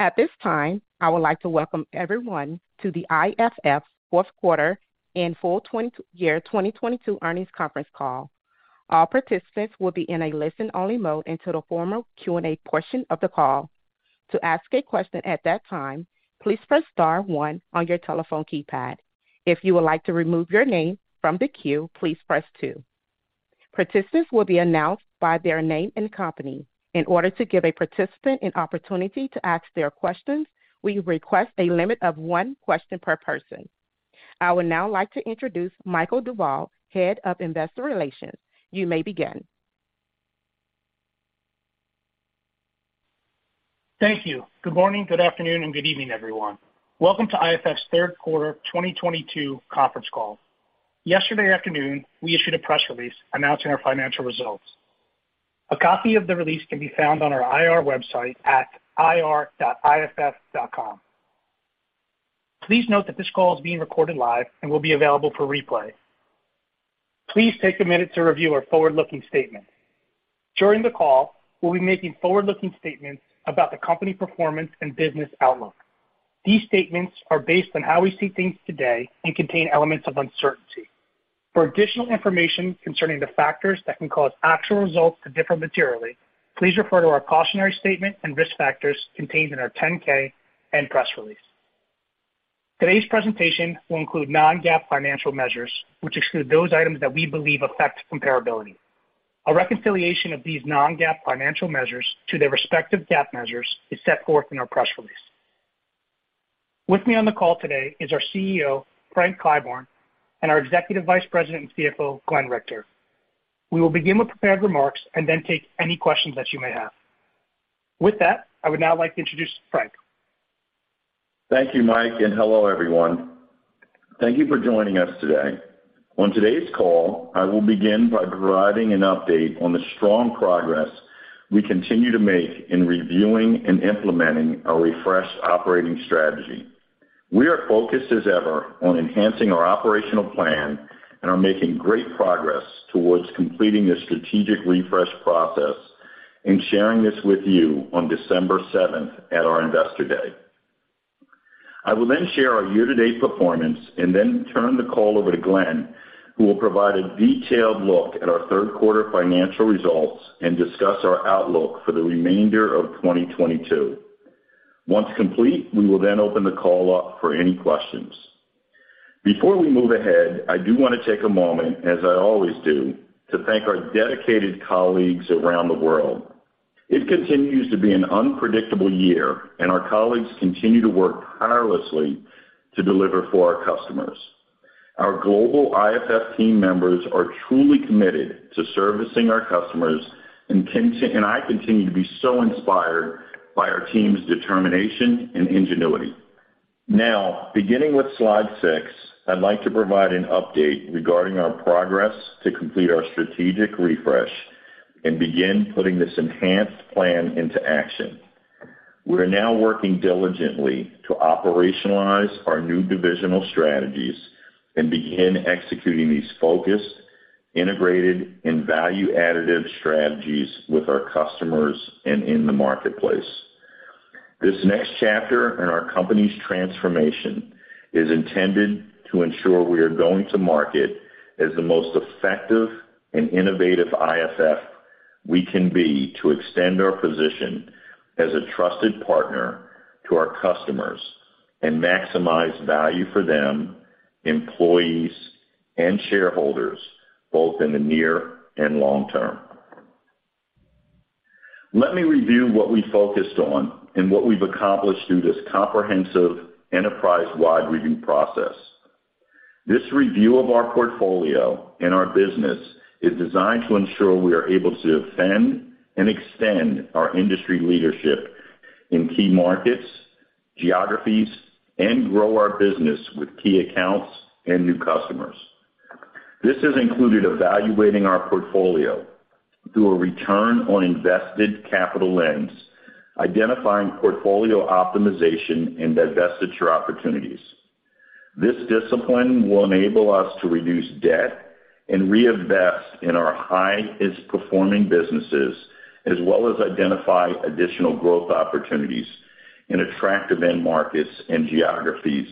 At this time, I would like to welcome everyone to the IFF fourth quarter and full year 2022 earnings conference call. All participants will be in a listen-only mode until the formal Q&A portion of the call. To ask a question at that time, please press star one on your telephone keypad. If you would like to remove your name from the queue, please press 2. Participants will be announced by their name and company. In order to give a participant an opportunity to ask their questions, we request a limit of one question per person. I would now like to introduce Michael DeVeau, Head of Investor Relations. You may begin. Thank you. Good morning, good afternoon, and good evening, everyone. Welcome to IFF's third quarter 2022 conference call. Yesterday afternoon, we issued a press release announcing our financial results. A copy of the release can be found on our IR website at ir.iff.com. Please note that this call is being recorded live and will be available for replay. Please take a minute to review our forward-looking statement. During the call, we'll be making forward-looking statements about the company performance and business outlook. These statements are based on how we see things today and contain elements of uncertainty. For additional information concerning the factors that can cause actual results to differ materially, please refer to our cautionary statement and risk factors contained in our 10-K and press release. Today's presentation will include non-GAAP financial measures, which exclude those items that we believe affect comparability. A reconciliation of these non-GAAP financial measures to their respective GAAP measures is set forth in our press release. With me on the call today is our CEO, Frank Clyburn, and our Executive Vice President and CFO, Glenn Richter. We will begin with prepared remarks and then take any questions that you may have. With that, I would now like to introduce Frank. Thank you, Mike, and hello, everyone. Thank you for joining us today. On today's call, I will begin by providing an update on the strong progress we continue to make in reviewing and implementing our refreshed operating strategy. We are focused as ever on enhancing our operational plan and are making great progress towards completing this strategic refresh process and sharing this with you on December 7th at our Investor Day. I will then share our year-to-date performance and then turn the call over to Glenn Richter, who will provide a detailed look at our 3rd quarter financial results and discuss our outlook for the remainder of 2022. Once complete, we will then open the call up for any questions. Before we move ahead, I do wanna take a moment, as I always do, to thank our dedicated colleagues around the world. It continues to be an unpredictable year, and our colleagues continue to work tirelessly to deliver for our customers. Our global IFF team members are truly committed to servicing our customers and I continue to be so inspired by our team's determination and ingenuity. Beginning with slide six, I'd like to provide an update regarding our progress to complete our strategic refresh and begin putting this enhanced plan into action. We are now working diligently to operationalize our new divisional strategies and begin executing these focused, integrated, and value-additive strategies with our customers and in the marketplace. This next chapter in our company's transformation is intended to ensure we are going to market as the most effective and innovative IFF we can be to extend our position as a trusted partner to our customers and maximize value for them, employees, and shareholders, both in the near and long term. Let me review what we focused on and what we've accomplished through this comprehensive enterprise-wide review process. This review of our portfolio and our business is designed to ensure we are able to defend and extend our industry leadership in key markets, geographies, and grow our business with key accounts and new customers. This has included evaluating our portfolio through a return on invested capital lens, identifying portfolio optimization, and divestiture opportunities. This discipline will enable us to reduce debt and reinvest in our highest-performing businesses, as well as identify additional growth opportunities in attractive end markets and geographies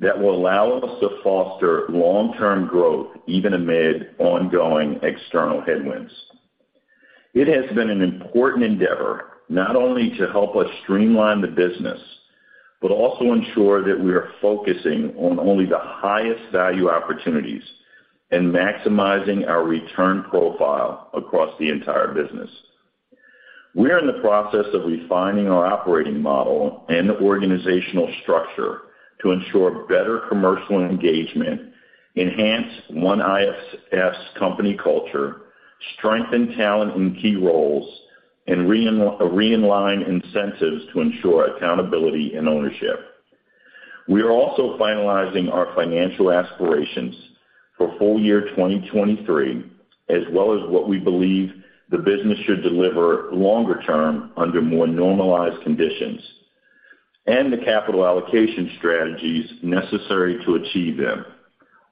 that will allow us to foster long-term growth even amid ongoing external headwinds. It has been an important endeavor not only to help us streamline the business, but also ensure that we are focusing on only the highest value opportunities and maximizing our return profile across the entire business. We are in the process of refining our operating model and organizational structure to ensure better commercial engagement, enhance one IFF's company culture, strengthen talent in key roles, and re-align incentives to ensure accountability and ownership. We are also finalizing our financial aspirations for full year 2023, as well as what we believe the business should deliver longer term under more normalized conditions and the capital allocation strategies necessary to achieve them.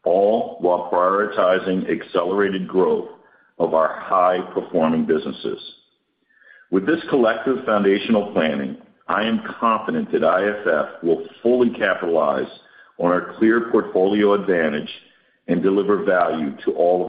All while prioritizing accelerated growth of our high-performing businesses. With this collective foundational planning, I am confident that IFF will fully capitalize on our clear portfolio advantage and deliver value to all of Hi, all.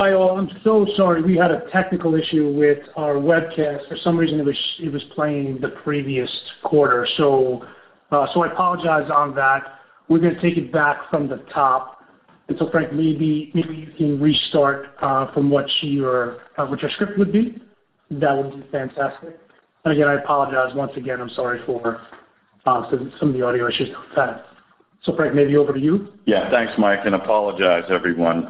I'm so sorry. We had a technical issue with our webcast. For some reason, it was playing the previous quarter. I apologize on that. We're gonna take it back from the top. Frank, maybe you can restart from what your what your script would be. That would be fantastic. Again, I apologize once again, I'm sorry for some of the audio issues. Frank, maybe over to you. Thanks, Mike, and apologize everyone.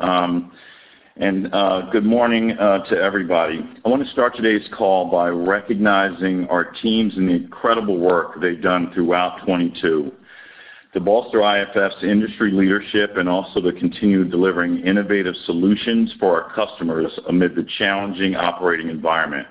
Good morning to everybody. I wanna start today's call by recognizing our teams and the incredible work they've done throughout 2022 to bolster IFF's industry leadership and also to continue delivering innovative solutions for our customers amid the challenging operating environment.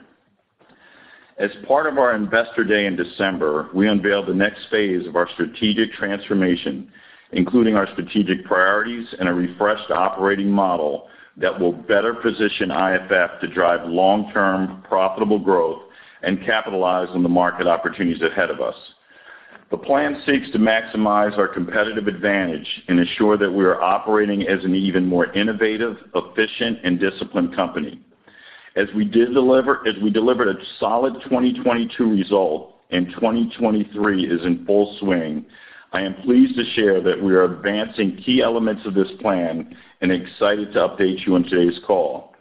As part of our Investor Day in December, we unveiled the next phase of our strategic transformation, including our strategic priorities and a refreshed operating model that will better position IFF to drive long-term profitable growth and capitalize on the market opportunities ahead of us. The plan seeks to maximize our competitive advantage and ensure that we are operating as an even more innovative, efficient, and disciplined company. As we delivered a solid 2022 result, and 2023 is in full swing, I am pleased to share that we are advancing key elements of this plan and excited to update you on today's call.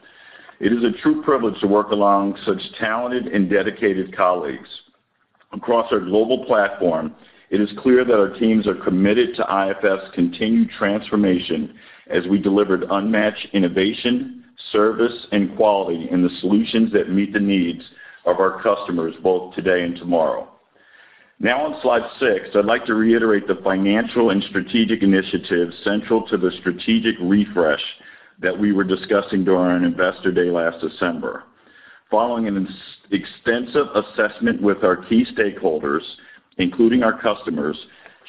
It is a true privilege to work along such talented and dedicated colleagues. Across our global platform, it is clear that our teams are committed to IFF's continued transformation as we delivered unmatched innovation, service, and quality in the solutions that meet the needs of our customers, both today and tomorrow. On slide 6, I'd like to reiterate the financial and strategic initiatives central to the strategic refresh that we were discussing during our Investor Day last December. Following an extensive assessment with our key stakeholders, including our customers,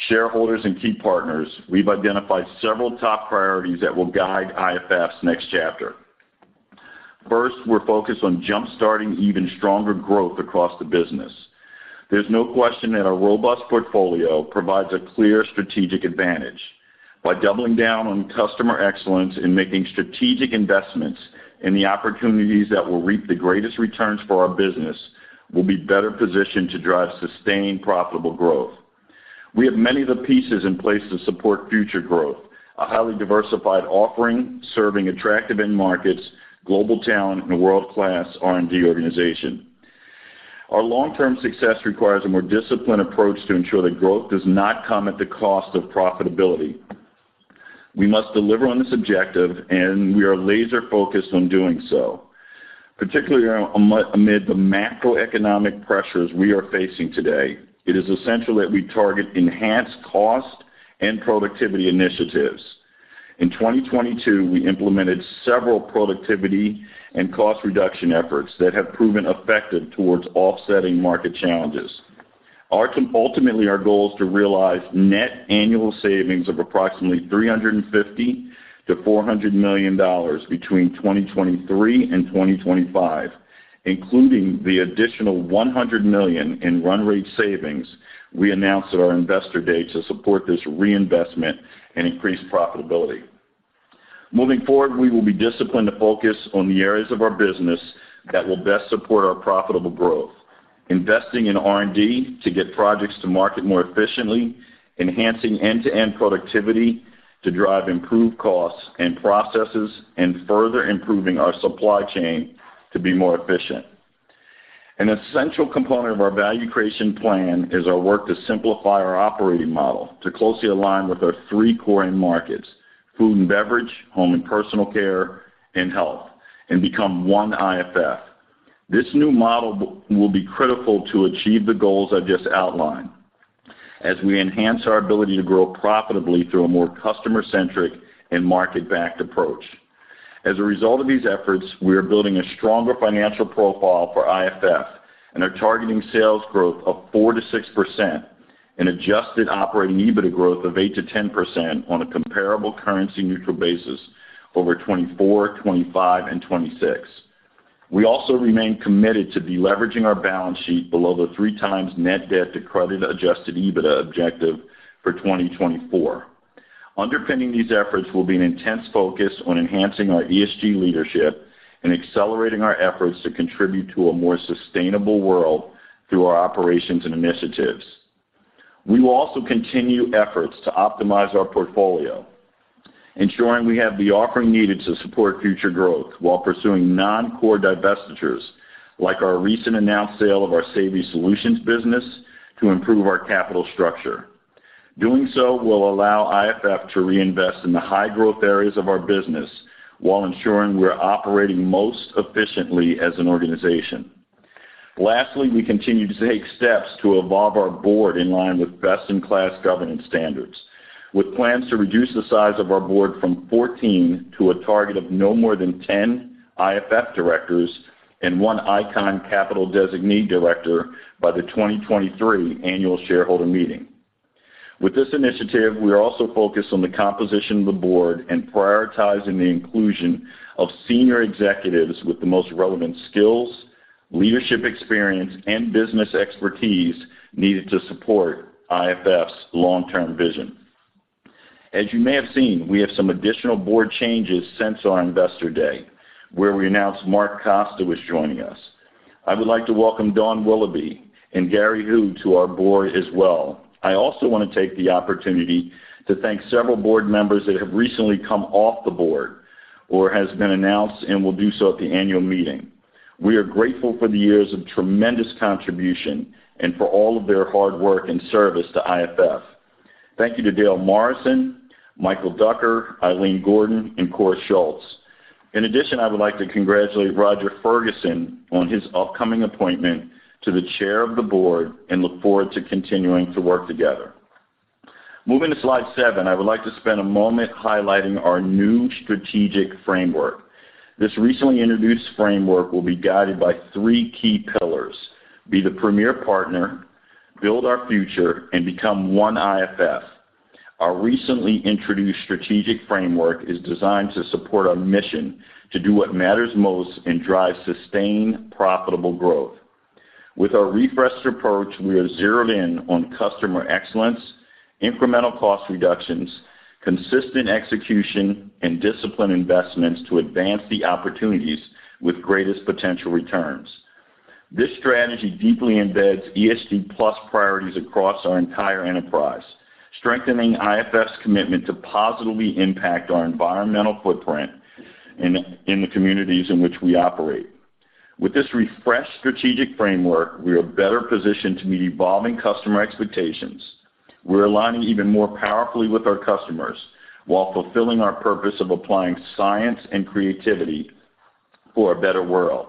shareholders, and key partners, we've identified several top priorities that will guide IFF's next chapter. First, we're focused on jump-starting even stronger growth across the business. There's no question that our robust portfolio provides a clear strategic advantage. By doubling down on customer excellence and making strategic investments in the opportunities that will reap the greatest returns for our business, we'll be better positioned to drive sustained profitable growth. We have many of the pieces in place to support future growth, a highly diversified offering, serving attractive end markets, global talent, and a world-class R&D organization. Our long-term success requires a more disciplined approach to ensure that growth does not come at the cost of profitability. We must deliver on this objective, and we are laser-focused on doing so. Amid the macroeconomic pressures we are facing today, it is essential that we target enhanced cost and productivity initiatives. In 2022, we implemented several productivity and cost reduction efforts that have proven effective towards offsetting market challenges. Ultimately, our goal is to realize net annual savings of approximately $350 million-$400 million between 2023 and 2025, including the additional $100 million in run rate savings we announced at our Investor Day to support this reinvestment and increase profitability. Moving forward, we will be disciplined to focus on the areas of our business that will best support our profitable growth, investing in R&D to get projects to market more efficiently, enhancing end-to-end productivity to drive improved costs and processes, and further improving our supply chain to be more efficient. An essential component of our value creation plan is our work to simplify our operating model to closely align with our three core end markets: food and beverage, home and personal care, and health, and become one IFF. This new model will be critical to achieve the goals I've just outlined as we enhance our ability to grow profitably through a more customer-centric and market-backed approach. As a result of these efforts, we are building a stronger financial profile for IFF and are targeting sales growth of 4%-6% and adjusted operating EBITDA growth of 8%-10% on a comparable currency-neutral basis over 2024, 2025, and 2026. We also remain committed to deleveraging our balance sheet below the 3x net debt to credit-Adjusted EBITDA objective for 2024. Underpinning these efforts will be an intense focus on enhancing our ESG leadership and accelerating our efforts to contribute to a more sustainable world through our operations and initiatives. We will also continue efforts to optimize our portfolio, ensuring we have the offering needed to support future growth while pursuing non-core divestitures, like our recent announced sale of our Savory Solutions business, to improve our capital structure. Doing so will allow IFF to reinvest in the high-growth areas of our business while ensuring we're operating most efficiently as an organization. We continue to take steps to evolve our board in line with best-in-class governance standards, with plans to reduce the size of our board from 14 to a target of no more than 10 IFF directors and one Icahn Capital designee director by the 2023 annual shareholder meeting. With this initiative, we are also focused on the composition of the board and prioritizing the inclusion of senior executives with the most relevant skills, leadership experience, and business expertise needed to support IFF's long-term vision. As you may have seen, we have some additional board changes since our Investor Day, where we announced Mark Costa was joining us. I would like to welcome Dawn Willoughby and Gary Hu to our board as well. I also wanna take the opportunity to thank several board members that have recently come off the board or has been announced and will do so at the annual meeting. We are grateful for the years of tremendous contribution and for all of their hard work and service to IFF. Thank you to Dale Morrison, Michael Ducker, Ilene Gordon, and Kåre Schultz. In addition, I would like to congratulate Roger Ferguson on his upcoming appointment to the Chair of the Board and look forward to continuing to work together. Moving to slide 7, I would like to spend a moment highlighting our new strategic framework. This recently introduced framework will be guided by three key pillars: be the premier partner, build our future, and become one IFF. Our recently introduced strategic framework is designed to support our mission to do what matters most and drive sustained profitable growth. With our refreshed approach, we are zeroed in on customer excellence, incremental cost reductions, consistent execution, and disciplined investments to advance the opportunities with greatest potential returns. This strategy deeply embeds ESG+ priorities across our entire enterprise, strengthening IFF's commitment to positively impact our environmental footprint in the communities in which we operate. With this refreshed strategic framework, we are better positioned to meet evolving customer expectations. We're aligning even more powerfully with our customers while fulfilling our purpose of applying science and creativity for a better world.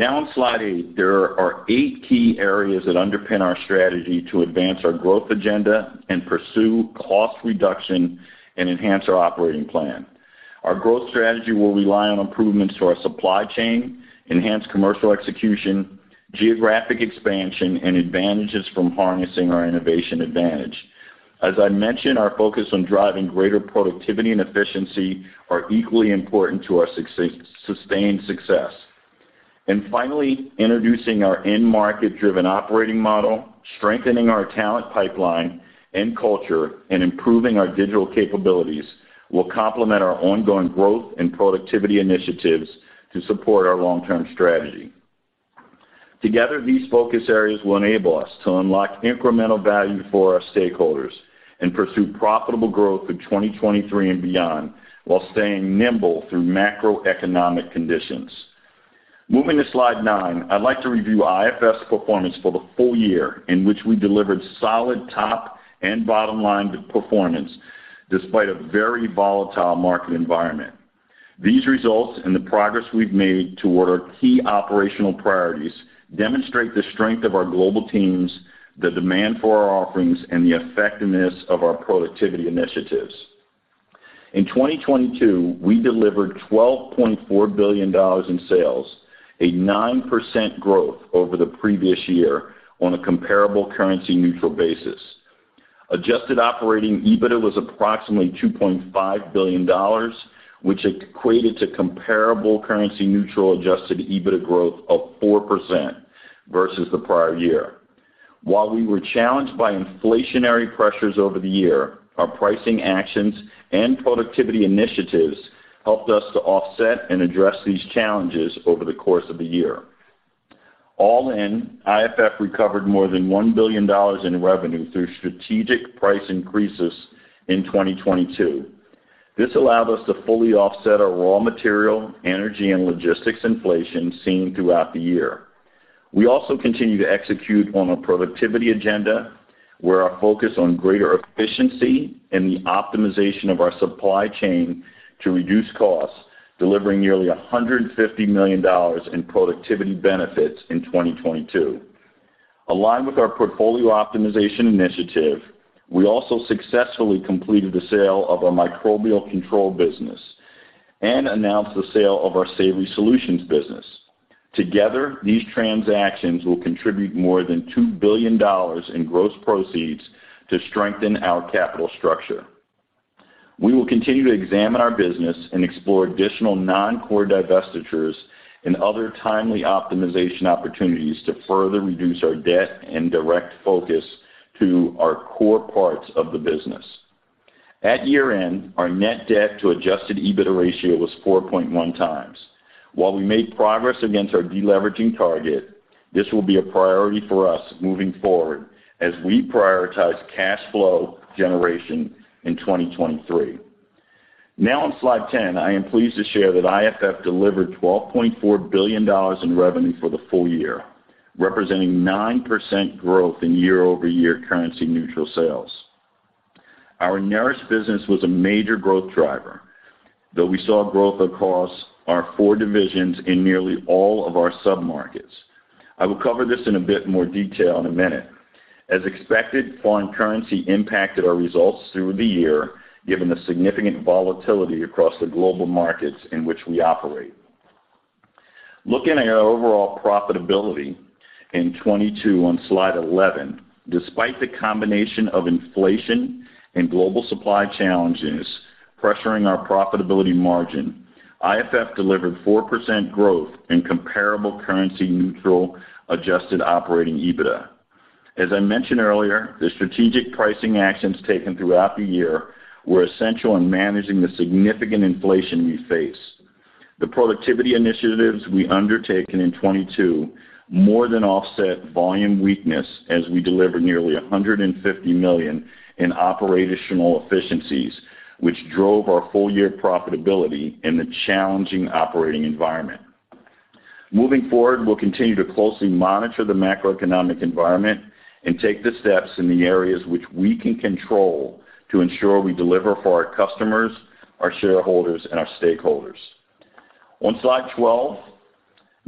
On slide eight, there are eight key areas that underpin our strategy to advance our growth agenda and pursue cost reduction and enhance our operating plan. Our growth strategy will rely on improvements to our supply chain, enhanced commercial execution, geographic expansion, and advantages from harnessing our innovation advantage. As I mentioned, our focus on driving greater productivity and efficiency are equally important to our success, sustained success. Finally, introducing our end-market driven operating model, strengthening our talent pipeline and culture, and improving our digital capabilities will complement our ongoing growth and productivity initiatives to support our long-term strategy. Together, these focus areas will enable us to unlock incremental value for our stakeholders and pursue profitable growth through 2023 and beyond while staying nimble through macroeconomic conditions. Moving to slide 9, I'd like to review IFF's performance for the full year in which we delivered solid top and bottom line performance despite a very volatile market environment. These results and the progress we've made toward our key operational priorities demonstrate the strength of our global teams, the demand for our offerings, and the effectiveness of our productivity initiatives. In 2022, we delivered $12.4 billion in sales, a 9% growth over the previous year on a comparable currency neutral basis. Adjusted operating EBITDA was approximately $2.5 billion, which equated to comparable currency neutral adjusted EBITDA growth of 4% versus the prior year. While we were challenged by inflationary pressures over the year, our pricing actions and productivity initiatives helped us to offset and address these challenges over the course of the year. All in, IFF recovered more than $1 billion in revenue through strategic price increases in 2022. This allowed us to fully offset our raw material, energy, and logistics inflation seen throughout the year. We also continue to execute on a productivity agenda where our focus on greater efficiency and the optimization of our supply chain to reduce costs, delivering nearly $150 million in productivity benefits in 2022. Aligned with our portfolio optimization initiative, we also successfully completed the sale of our Microbial Control business and announced the sale of our Savory Solutions business. Together, these transactions will contribute more than $2 billion in gross proceeds to strengthen our capital structure. We will continue to examine our business and explore additional non-core divestitures and other timely optimization opportunities to further reduce our debt and direct focus to our core parts of the business. At year-end, our net debt to Adjusted EBITDA ratio was 4.1 times. While we made progress against our deleveraging target, this will be a priority for us moving forward as we prioritize cash flow generation in 2023. On slide 10, I am pleased to share that IFF delivered $12.4 billion in revenue for the full year, representing 9% growth in year-over-year currency neutral sales. Our Nourish business was a major growth driver, though we saw growth across our four divisions in nearly all of our sub-markets. I will cover this in a bit more detail in a minute. As expected, foreign currency impacted our results through the year, given the significant volatility across the global markets in which we operate. Looking at our overall profitability in 22 on slide 11, despite the combination of inflation and global supply challenges pressuring our profitability margin, IFF delivered 4% growth in comparable currency neutral adjusted operating EBITDA. As I mentioned earlier, the strategic pricing actions taken throughout the year were essential in managing the significant inflation we face. The productivity initiatives we undertaken in 22 more than offset volume weakness as we delivered nearly $150 million in operational efficiencies, which drove our full year profitability in the challenging operating environment. Moving forward, we'll continue to closely monitor the macroeconomic environment and take the steps in the areas which we can control to ensure we deliver for our customers, our shareholders, and our stakeholders. On slide 12,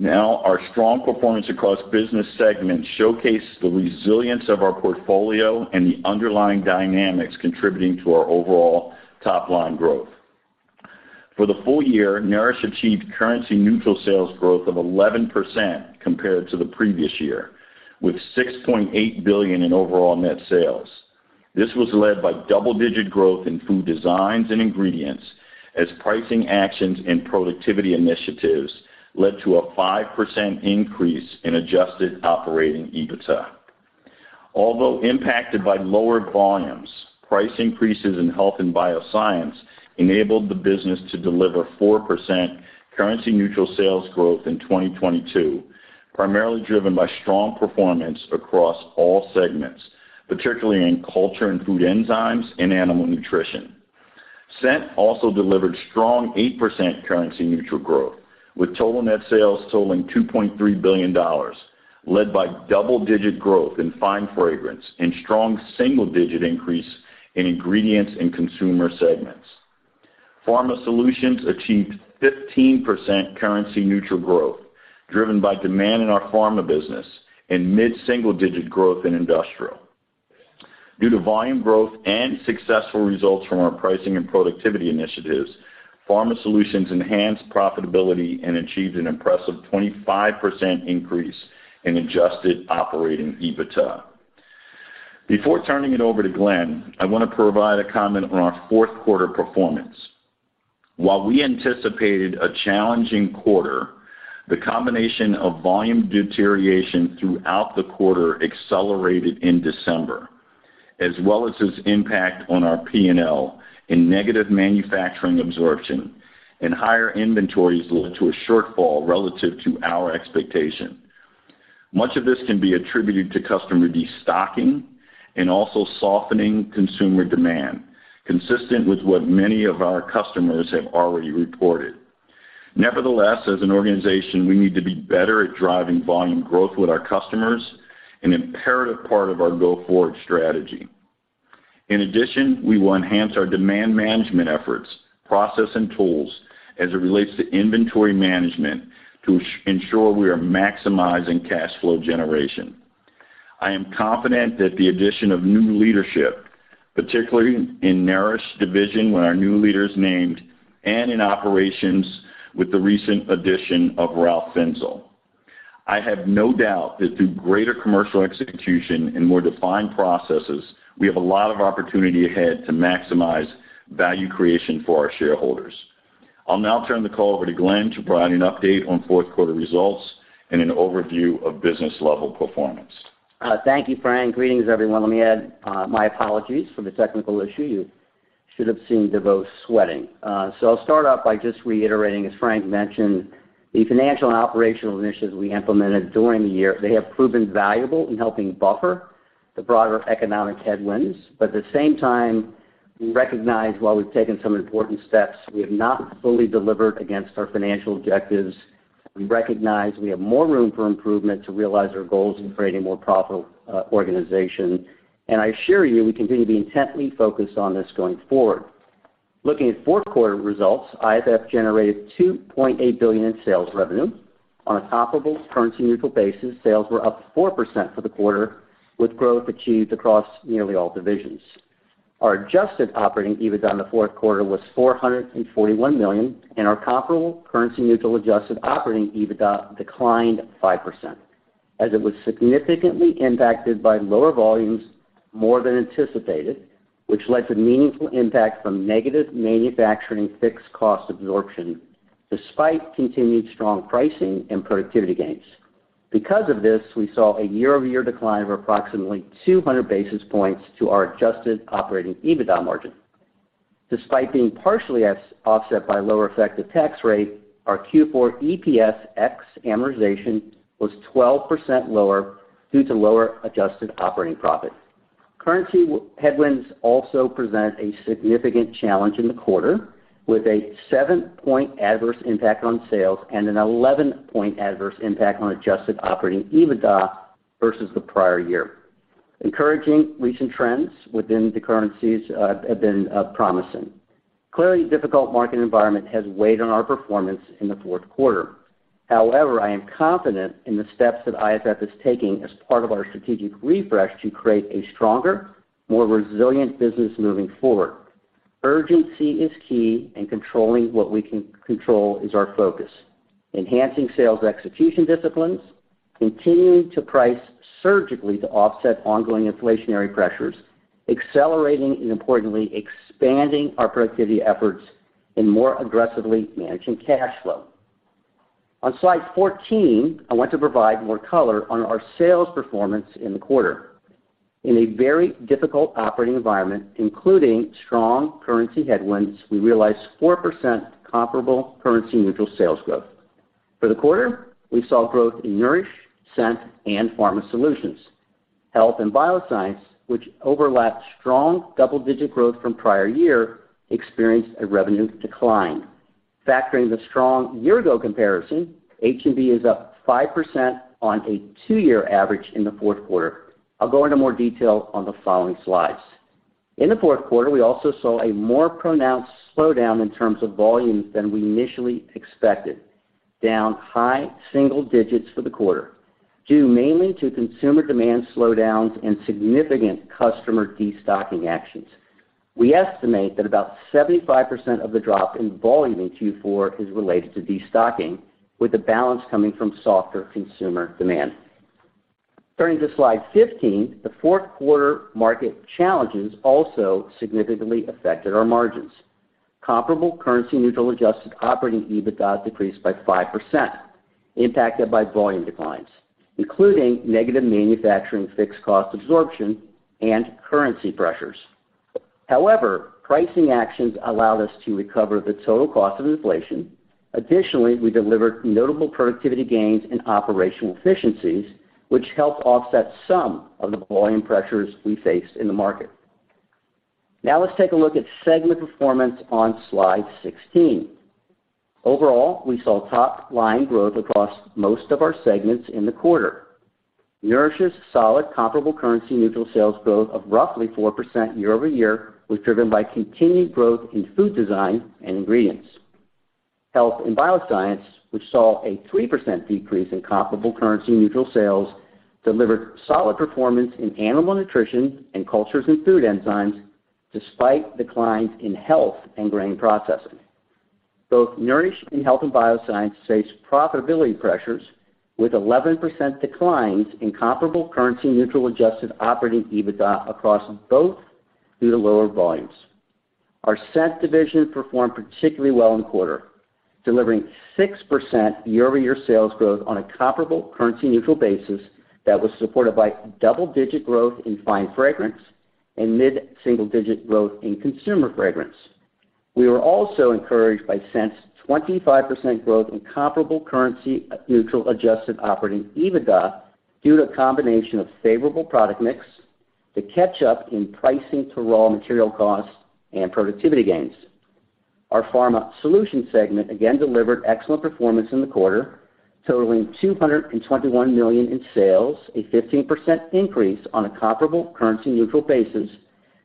our strong performance across business segments showcase the resilience of our portfolio and the underlying dynamics contributing to our overall top-line growth. For the full year, Nourish achieved currency neutral sales growth of 11% compared to the previous year, with $6.8 billion in overall net sales. This was led by double-digit growth in food designs and ingredients as pricing actions and productivity initiatives led to a 5% increase in adjusted operating EBITDA. Although impacted by lower volumes, price increases in Health & Biosciences enabled the business to deliver 4% currency neutral sales growth in 2022, primarily driven by strong performance across all segments, particularly in Cultures & Food Enzymes and Animal Nutrition. Scent also delivered strong 8% currency neutral growth, with total net sales totaling $2.3 billion, led by double-digit growth in Fine Fragrance and strong single-digit increase in ingredients in consumer segments. Pharma Solutions achieved 15% currency neutral growth, driven by demand in our pharma business and mid-single digit growth in industrial. Due to volume growth and successful results from our pricing and productivity initiatives, Pharma Solutions enhanced profitability and achieved an impressive 25% increase in adjusted operating EBITDA. Before turning it over to Glenn, I want to provide a comment on our fourth quarter performance. While we anticipated a challenging quarter, the combination of volume deterioration throughout the quarter accelerated in December, as well as its impact on our P&L and negative manufacturing absorption and higher inventories led to a shortfall relative to our expectation. Much of this can be attributed to customer destocking and also softening consumer demand, consistent with what many of our customers have already reported. Nevertheless, as an organization, we need to be better at driving volume growth with our customers, an imperative part of our go-forward strategy. In addition, we will enhance our demand management efforts, process, and tools as it relates to inventory management to ensure we are maximizing cash flow generation. I am confident that the addition of new leadership, particularly in Nourish division, where our new leader is named, and in operations with the recent addition of Ralf Finzel. I have no doubt that through greater commercial execution and more defined processes, we have a lot of opportunity ahead to maximize value creation for our shareholders. I'll now turn the call over to Glenn to provide an update on fourth quarter results and an overview of business level performance. Thank you, Frank. Greetings, everyone. Let me add my apologies for the technical issue. You should have seen DeVos sweating. I'll start off by just reiterating, as Frank mentioned, the financial and operational initiatives we implemented during the year, they have proven valuable in helping buffer the broader economic headwinds. At the same time, we recognize while we've taken some important steps, we have not fully delivered against our financial objectives. We recognize we have more room for improvement to realize our goals in creating more profitable organization. I assure you, we continue to be intently focused on this going forward. Looking at fourth quarter results, IFF generated $2.8 billion in sales revenue. On a comparable currency neutral basis, sales were up 4% for the quarter, with growth achieved across nearly all divisions. Our adjusted operating EBITDA in the fourth quarter was $441 million, and our comparable currency neutral adjusted operating EBITDA declined 5%, as it was significantly impacted by lower volumes, more than anticipated, which led to meaningful impact from negative manufacturing fixed cost absorption despite continued strong pricing and productivity gains. Because of this, we saw a year-over-year decline of approximately 200 basis points to our adjusted operating EBITDA margin. Despite being partially offset by lower effective tax rate, our Q4 EPS ex-amortization was 12% lower due to lower adjusted operating profit. Currency headwinds also present a significant challenge in the quarter, with a 7-point adverse impact on sales and an 11-point adverse impact on adjusted operating EBITDA versus the prior year. Encouraging recent trends within the currencies have been promising. Clearly difficult market environment has weighed on our performance in the fourth quarter. I am confident in the steps that IFF is taking as part of our strategic refresh to create a stronger, more resilient business moving forward. Urgency is key, controlling what we can control is our focus. Enhancing sales execution disciplines, continuing to price surgically to offset ongoing inflationary pressures, accelerating and importantly expanding our productivity efforts, and more aggressively managing cash flow. On slide 14, I want to provide more color on our sales performance in the quarter. In a very difficult operating environment, including strong currency headwinds, we realized 4% comparable currency neutral sales growth. For the quarter, we saw growth in Nourish, Scent, and Pharma Solutions. Health & Biosciences, which overlapped strong double-digit growth from prior year, experienced a revenue decline. Factoring the strong year-ago comparison, H&B is up 5% on a two-year average in the 4th quarter. I'll go into more detail on the following slides. In the 4th quarter, we also saw a more pronounced slowdown in terms of volumes than we initially expected, down high single digits for the quarter, due mainly to consumer demand slowdowns and significant customer destocking actions. We estimate that about 75% of the drop in volume in Q4 is related to destocking, with the balance coming from softer consumer demand. Turning to slide 15, the 4th quarter market challenges also significantly affected our margins. Comparable currency neutral adjusted operating EBITDA decreased by 5%, impacted by volume declines, including negative manufacturing fixed cost absorption and currency pressures. However, pricing actions allowed us to recover the total cost of inflation. Additionally, we delivered notable productivity gains and operational efficiencies, which helped offset some of the volume pressures we faced in the market. Now let's take a look at segment performance on slide 16. Overall, we saw top line growth across most of our segments in the quarter. Nourish's solid comparable currency neutral sales growth of roughly 4% year-over-year was driven by continued growth in Food Design and ingredients. Health & Biosciences, which saw a 3% decrease in comparable currency neutral sales, delivered solid performance in Animal Nutrition and Cultures & Food Enzymes, despite declines in Health and Grain Processing. Both Nourish and Health & Biosciences face profitability pressures with 11% declines in comparable currency neutral adjusted operating EBITDA across both due to lower volumes. Our Scent division performed particularly well in the quarter, delivering 6% year-over-year sales growth on a comparable currency neutral basis that was supported by double-digit growth in Fine Fragrance and mid-single digit growth in Consumer Fragrance. We were also encouraged by Scent's 25% growth in comparable currency neutral adjusted operating EBITDA due to a combination of favorable product mix, the catch-up in pricing to raw material costs, and productivity gains. Our Pharma Solutions segment again delivered excellent performance in the quarter, totaling $221 million in sales, a 15% increase on a comparable currency neutral basis,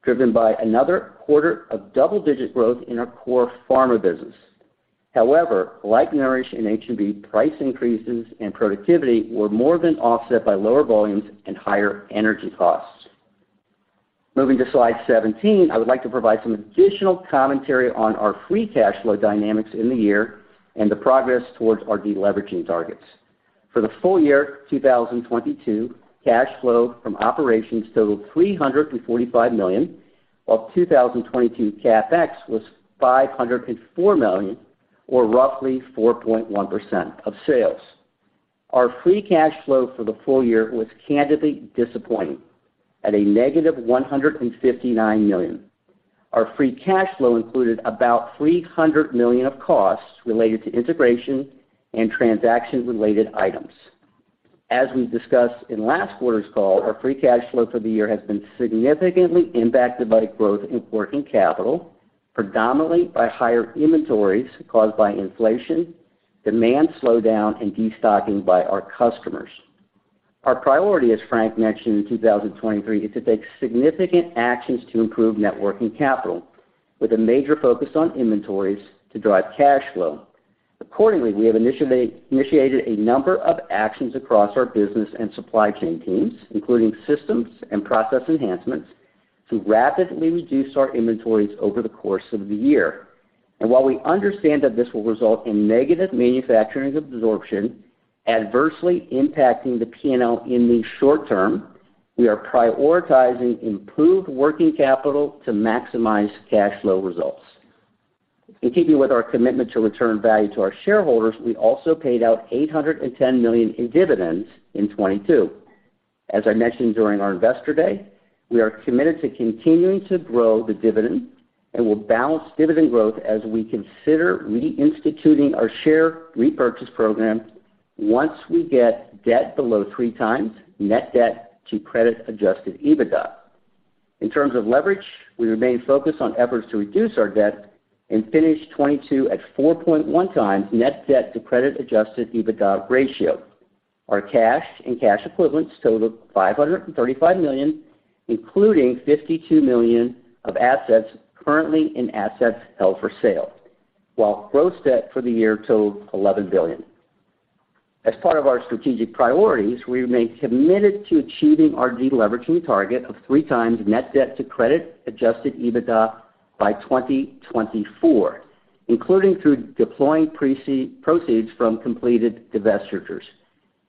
driven by another quarter of double-digit growth in our core Pharma business. Like Nourish and H&B, price increases and productivity were more than offset by lower volumes and higher energy costs. Moving to slide 17, I would like to provide some additional commentary on our free cash flow dynamics in the year and the progress towards our deleveraging targets. For the full year 2022, cash flow from operations totaled $345 million, while 2022 CapEx was $504 million or roughly 4.1% of sales. Our free cash flow for the full year was candidly disappointing at a negative $159 million. Our free cash flow included about $300 million of costs related to integration and transaction-related items. As we discussed in last quarter's call, our free cash flow for the year has been significantly impacted by growth in working capital, predominantly by higher inventories caused by inflation, demand slowdown, and destocking by our customers. Our priority, as Frank mentioned in 2023, is to take significant actions to improve net working capital with a major focus on inventories to drive cash flow. Accordingly, we have initiated a number of actions across our business and supply chain teams, including systems and process enhancements to rapidly reduce our inventories over the course of the year. While we understand that this will result in negative manufacturing absorption adversely impacting the P&L in the short term, we are prioritizing improved working capital to maximize cash flow results. In keeping with our commitment to return value to our shareholders, we also paid out $810 million in dividends in 2022. As I mentioned during our Investor Day, we are committed to continuing to grow the dividend and will balance dividend growth as we consider reinstituting our share repurchase program once we get debt below three times net debt to credit-Adjusted EBITDA. In terms of leverage, we remain focused on efforts to reduce our debt and finish 2022 at 4.1 times net debt to credit-Adjusted EBITDA ratio. Our cash and cash equivalents total $535 million, including $52 million of assets currently in assets held for sale, while gross debt for the year totaled $11 billion. As part of our strategic priorities, we remain committed to achieving our deleveraging target of three times net debt to credit-Adjusted EBITDA by 2024, including through deploying proceeds from completed divestitures.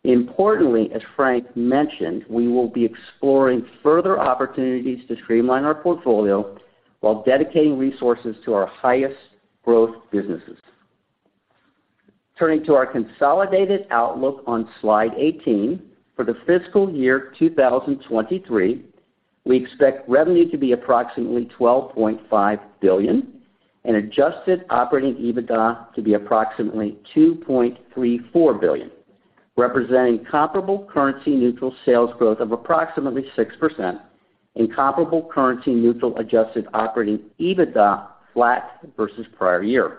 Importantly, as Frank mentioned, we will be exploring further opportunities to streamline our portfolio while dedicating resources to our highest growth businesses. Turning to our consolidated outlook on slide 18, for the fiscal year 2023, we expect revenue to be approximately $12.5 billion and adjusted operating EBITDA to be approximately $2.34 billion, representing comparable currency neutral sales growth of approximately 6% and comparable currency neutral adjusted operating EBITDA flat versus prior year.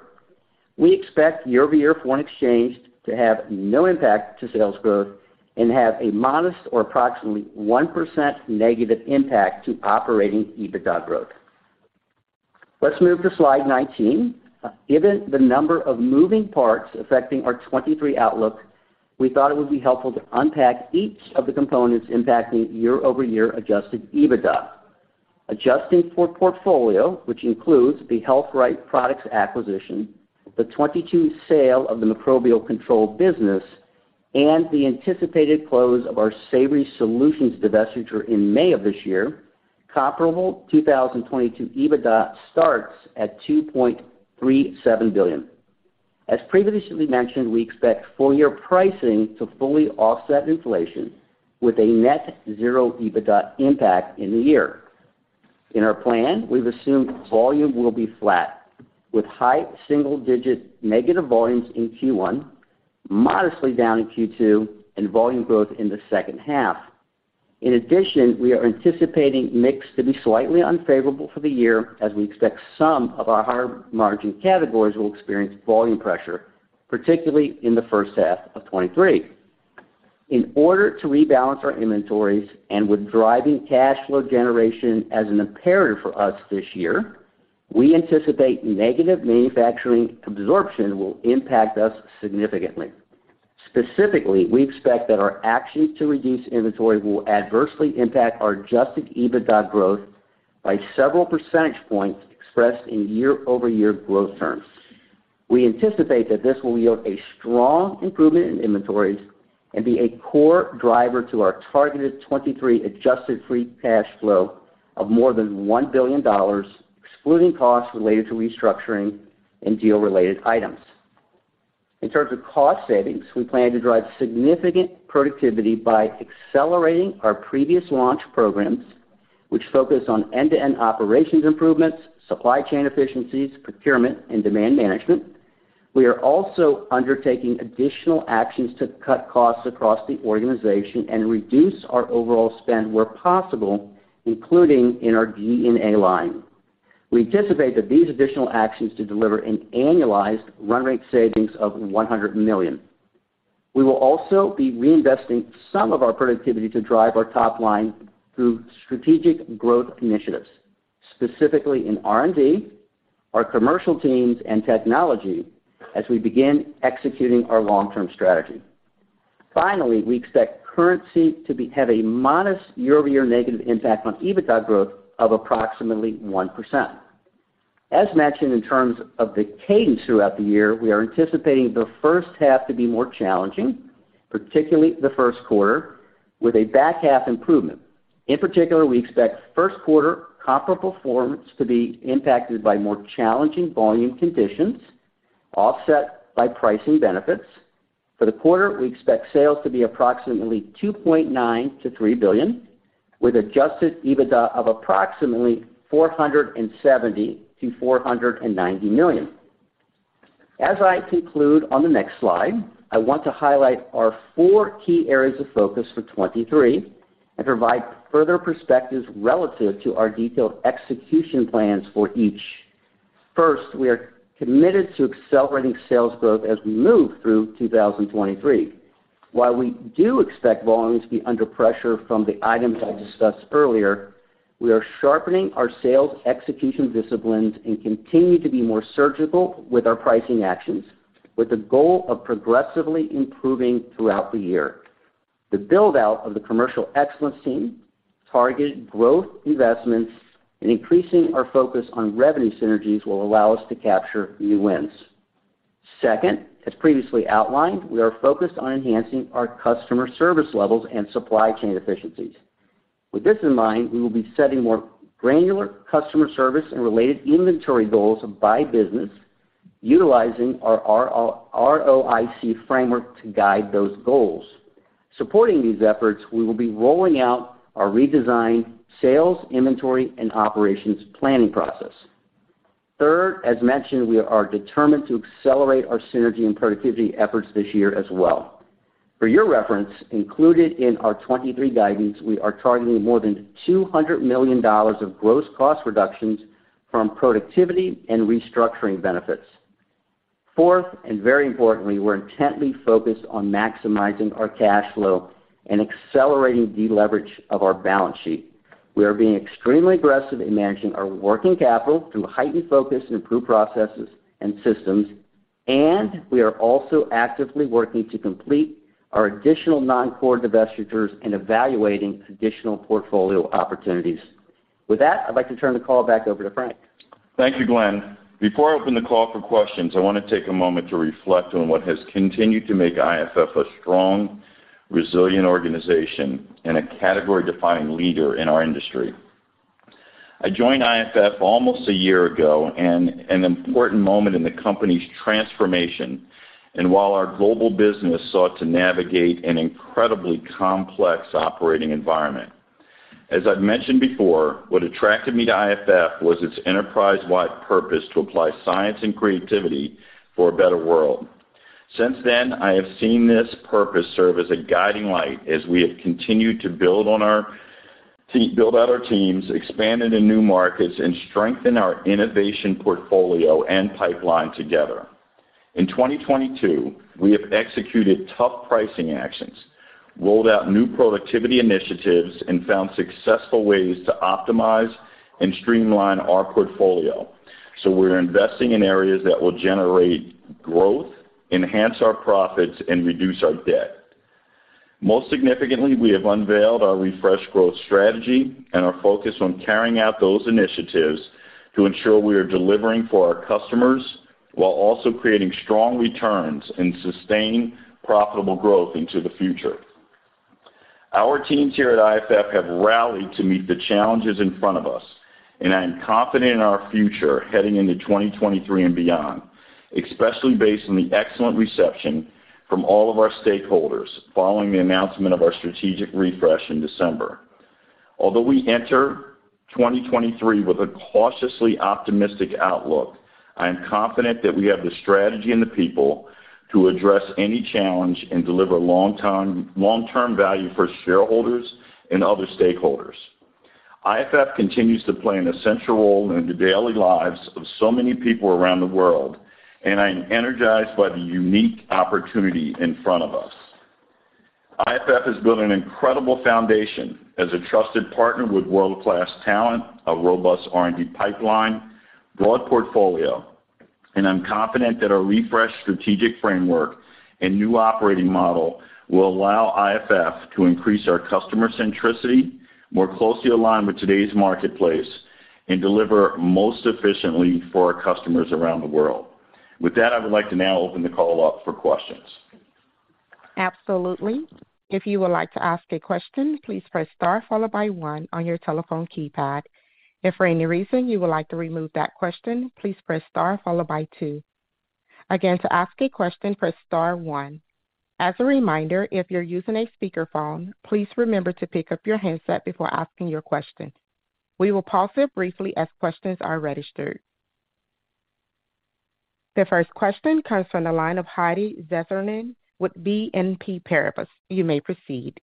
We expect year-over-year foreign exchange to have no impact to sales growth and have a modest or approximately 1% negative impact to operating EBITDA growth. Let's move to slide 19. Given the number of moving parts affecting our '23 outlook, we thought it would be helpful to unpack each of the components impacting year-over-year Adjusted EBITDA. Adjusting for portfolio, which includes the Health Wright Products acquisition, the 2022 sale of the Microbial Control business, and the anticipated close of our Savory Solutions divestiture in May of this year, comparable 2022 EBITDA starts at $2.37 billion. As previously mentioned, we expect full year pricing to fully offset inflation with a net zero EBITDA impact in the year. In our plan, we've assumed volume will be flat, with high single digit negative volumes in Q1, modestly down in Q2, and volume growth in the second half. In addition, we are anticipating mix to be slightly unfavorable for the year as we expect some of our higher margin categories will experience volume pressure, particularly in the first half of 2023. In order to rebalance our inventories and with driving cash flow generation as an imperative for us this year, we anticipate negative manufacturing absorption will impact us significantly. Specifically, we expect that our actions to reduce inventory will adversely impact our Adjusted EBITDA growth by several percentage points expressed in year-over-year growth terms. We anticipate that this will yield a strong improvement in inventories and be a core driver to our targeted 2023 adjusted free cash flow of more than $1 billion, excluding costs related to restructuring and deal-related items. In terms of cost savings, we plan to drive significant productivity by accelerating our previous launch programs, which focus on end-to-end operations improvements, supply chain efficiencies, procurement, and demand management. We are also undertaking additional actions to cut costs across the organization and reduce our overall spend where possible, including in our G&A line. We anticipate that these additional actions to deliver an annualized run rate savings of $100 million. We will also be reinvesting some of our productivity to drive our top line through strategic growth initiatives, specifically in R&D, our commercial teams, and technology as we begin executing our long-term strategy. We expect currency to have a modest year-over-year negative impact on EBITDA growth of approximately 1%. As mentioned, in terms of the cadence throughout the year, we are anticipating the first half to be more challenging, particularly the first quarter, with a back half improvement. We expect first quarter comparable performance to be impacted by more challenging volume conditions offset by pricing benefits. For the quarter, we expect sales to be approximately $2.9 billion-$3 billion, with Adjusted EBITDA of approximately $470 million-$490 million. As I conclude on the next slide, I want to highlight our four key areas of focus for 2023 and provide further perspectives relative to our detailed execution plans for each. First, we are committed to accelerating sales growth as we move through 2023. While we do expect volumes to be under pressure from the items I discussed earlier, we are sharpening our sales execution disciplines and continue to be more surgical with our pricing actions, with the goal of progressively improving throughout the year. The build-out of the commercial excellence team, targeted growth investments, and increasing our focus on revenue synergies will allow us to capture new wins. Second, as previously outlined, we are focused on enhancing our customer service levels and supply chain efficiencies. With this in mind, we will be setting more granular customer service and related inventory goals by business utilizing our ROIC framework to guide those goals. Supporting these efforts, we will be rolling out our redesigned Sales, Inventory & Operations Planning process. Third, as mentioned, we are determined to accelerate our synergy and productivity efforts this year as well. For your reference, included in our 2023 guidance, we are targeting more than $200 million of gross cost reductions from productivity and restructuring benefits. Fourth, and very importantly, we're intently focused on maximizing our cash flow and accelerating deleverage of our balance sheet. We are being extremely aggressive in managing our working capital through heightened focus and improved processes and systems, and we are also actively working to complete our additional non-core divestitures and evaluating additional portfolio opportunities. With that, I'd like to turn the call back over to Frank. Thank you, Glenn. Before I open the call for questions, I want to take a moment to reflect on what has continued to make IFF a strong, resilient organization and a category-defining leader in our industry. I joined IFF almost a year ago and an important moment in the company's transformation, and while our global business sought to navigate an incredibly complex operating environment. As I've mentioned before, what attracted me to IFF was its enterprise-wide purpose to apply science and creativity for a better world. Since then, I have seen this purpose serve as a guiding light as we have continued to build on our build out our teams, expanded in new markets, and strengthen our innovation portfolio and pipeline together. In 2022, we have executed tough pricing actions, rolled out new productivity initiatives, and found successful ways to optimize and streamline our portfolio. We're investing in areas that will generate growth, enhance our profits, and reduce our debt. Most significantly, we have unveiled our refresh growth strategy and our focus on carrying out those initiatives to ensure we are delivering for our customers while also creating strong returns and sustaining profitable growth into the future. Our teams here at IFF have rallied to meet the challenges in front of us. I am confident in our future heading into 2023 and beyond, especially based on the excellent reception from all of our stakeholders following the announcement of our strategic refresh in December. Although we enter 2023 with a cautiously optimistic outlook, I am confident that we have the strategy and the people to address any challenge and deliver long-term value for shareholders and other stakeholders. IFF continues to play an essential role in the daily lives of so many people around the world, I am energized by the unique opportunity in front of us. IFF has built an incredible foundation as a trusted partner with world-class talent, a robust R&D pipeline, broad portfolio, I'm confident that our refreshed strategic framework and new operating model will allow IFF to increase our customer centricity more closely aligned with today's marketplace and deliver most efficiently for our customers around the world. With that, I would like to now open the call up for questions. Absolutely. If you would like to ask a question, please press star followed by one on your telephone keypad. If for any reason you would like to remove that question, please press star followed by two. Again, to ask a question, press star 1. As a reminder, if you're using a speakerphone, please remember to pick up your handset before askin your question. We will pause here briefly as questions are registered. The first question comes from the line of Heidi Vesterinen with BNP Paribas. You may proceed.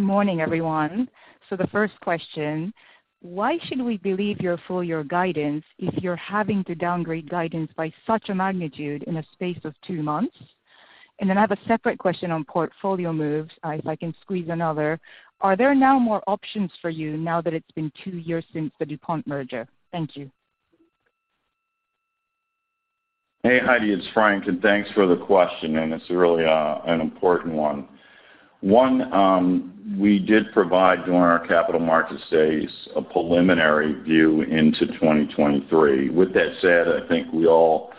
Morning, everyone. The first question, why should we believe your full year guidance if you're having to downgrade guidance by such a magnitude in the space of two months? I have a separate question on portfolio moves, if I can squeeze another. Are there now more options for you now that it's been two years since the DuPont merger? Thank you. Hey, Heidi, it's Frank, and thanks for the question, and it's really an important one. One, we did provide during our Capital Market Day stage a preliminary view into 2023. With that said, I think we all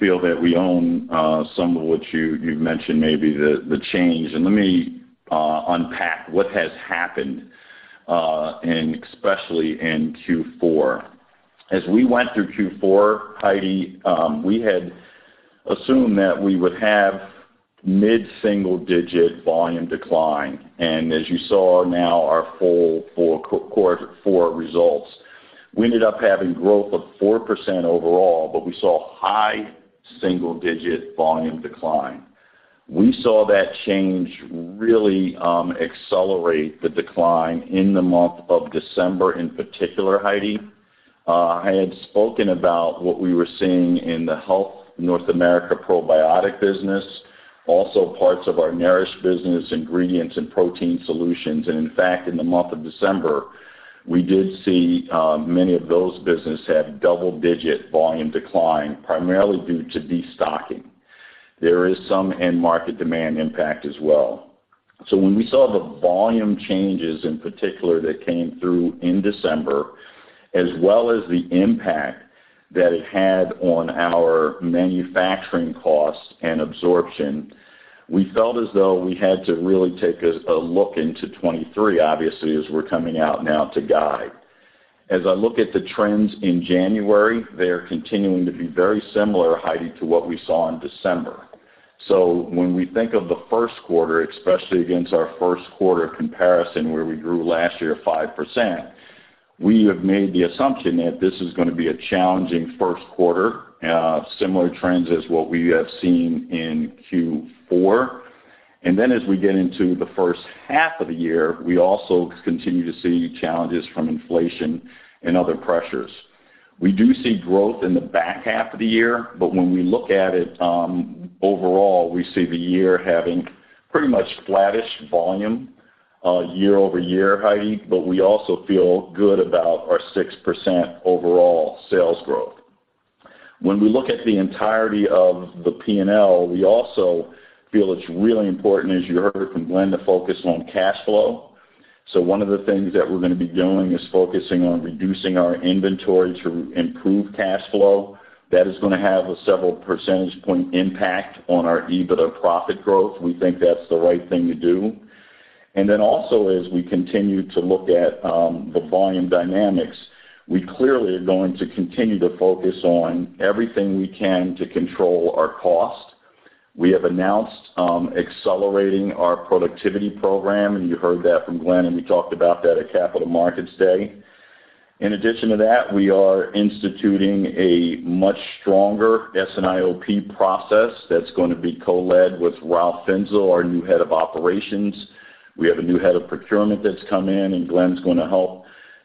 feel that we own some of what you've mentioned maybe the change. Let me unpack what has happened in, especially in Q4. As we went through Q4, Heidi, we had assumed that we would have mid-single digit volume decline. As you saw now our full Q4 results, we ended up having growth of 4% overall, but we saw high single digit volume decline. We saw that change really accelerate the decline in the month of December, in particular, Heidi. I had spoken about what we were seeing in the Health North America probiotic business, also parts of our Nourish business, ingredients, and Protein Solutions. In the month of December, we did see many of those business have double-digit volume decline, primarily due to destocking. There is some end market demand impact as well. When we saw the volume changes in particular that came through in December, as well as the impact that it had on our manufacturing costs and absorption, we felt as though we had to really take a look into 2023, obviously, as we're coming out now to guide. As I look at the trends in January, they are continuing to be very similar, Heidi, to what we saw in December. When we think of the first quarter, especially against our first quarter comparison, where we grew last year 5%, we have made the assumption that this is gonna be a challenging first quarter, similar trends as what we have seen in Q4. Then as we get into the first half of the year, we also continue to see challenges from inflation and other pressures. We do see growth in the back half of the year, but when we look at it, overall, we see the year having pretty much flattish volume year-over-year, Heidi, but we also feel good about our 6% overall sales growth. When we look at the entirety of the P&L, we also feel it's really important, as you heard from Glenn, to focus on cash flow. One of the things that we're gonna be doing is focusing on reducing our inventory to improve cash flow. That is gonna have a several percentage point impact on our EBITDA profit growth. We think that's the right thing to do. Also as we continue to look at the volume dynamics, we clearly are going to continue to focus on everything we can to control our cost. We have announced accelerating our productivity program, and you heard that from Glenn, and we talked about that at Capital Markets Day. In addition to that, we are instituting a much stronger S&IOP process that's gonna be co-led with Ralf Finzel, our new head of operations. We have a new head of procurement that's come in, and Glenn's gonna help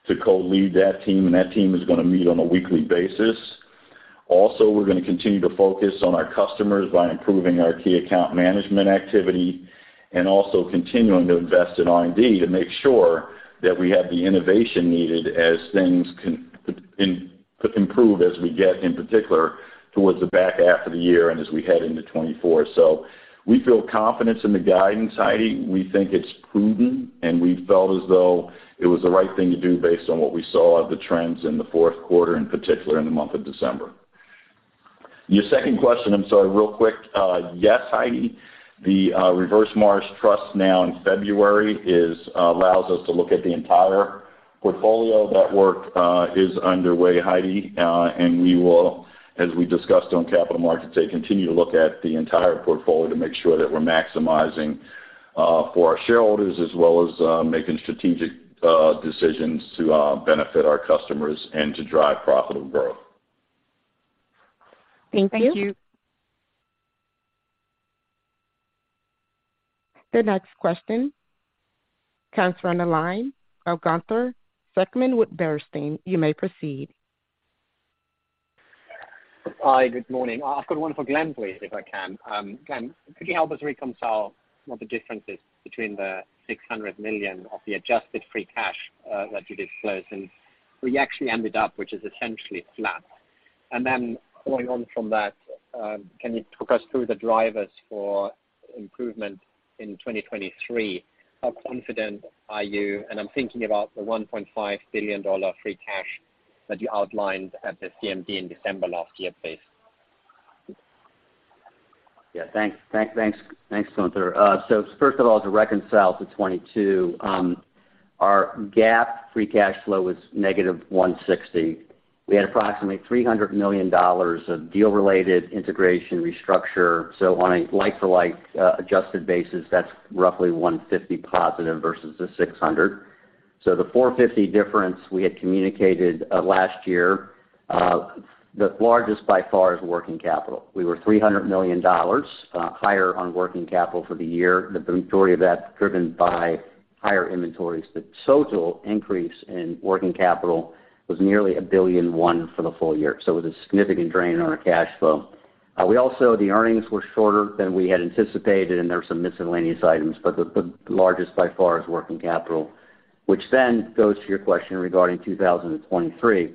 to co-lead that team, and that team is gonna meet on a weekly basis. Also, we're gonna continue to focus on our customers by improving our key account management activity and also continuing to invest in R&D to make sure that we have the innovation needed as things improve as we get, in particular, towards the back half of the year and as we head into 2024. We feel confidence in the guidance, Heidi. We think it's prudent, and we felt as though it was the right thing to do based on what we saw of the trends in the fourth quarter, in particular in the month of December. Your second question, I'm sorry, real quick. Yes, Heidi. The Reverse Morris Trust now in February allows us to look at the entire portfolio. That work is underway, Heidi. We will, as we discussed on Capital Markets Day, continue to look at the entire portfolio to make sure that we're maximizing for our shareholders as well as making strategic decisions to benefit our customers and to drive profitable growth. Thank you. Thank you. The next question comes from the line. Gunther Zechmann with Bernstein, you may proceed. Hi, good morning. I've got one for Glenn, please, if I can. Glenn, could you help us reconcile what the difference is between the $600 million of the adjusted free cash that you disclosed, and we actually ended up, which is essentially flat. Going on from that, can you talk us through the drivers for improvement in 2023? How confident are you? I'm thinking about the $1.5 billion free cash that you outlined at the CMD in December last year, please. Yeah. Thanks. Thanks, thanks. Thanks, Gunther. First of all, to reconcile to 2022, our GAAP free cash flow was -$160 million. We had approximately $300 million of deal-related integration restructure. On a like-for-like, adjusted basis, that's roughly $150 million positive versus the $600 million. The $450 million difference we had communicated last year, the largest by far is working capital. We were $300 million higher on working capital for the year, the majority of that driven by higher inventories. The total increase in working capital was nearly $1.1 billion for the full year. It was a significant drain on our cash flow. We also, the earnings were shorter than we had anticipated, and there were some miscellaneous items, but the largest by far is working capital, which then goes to your question regarding 2023.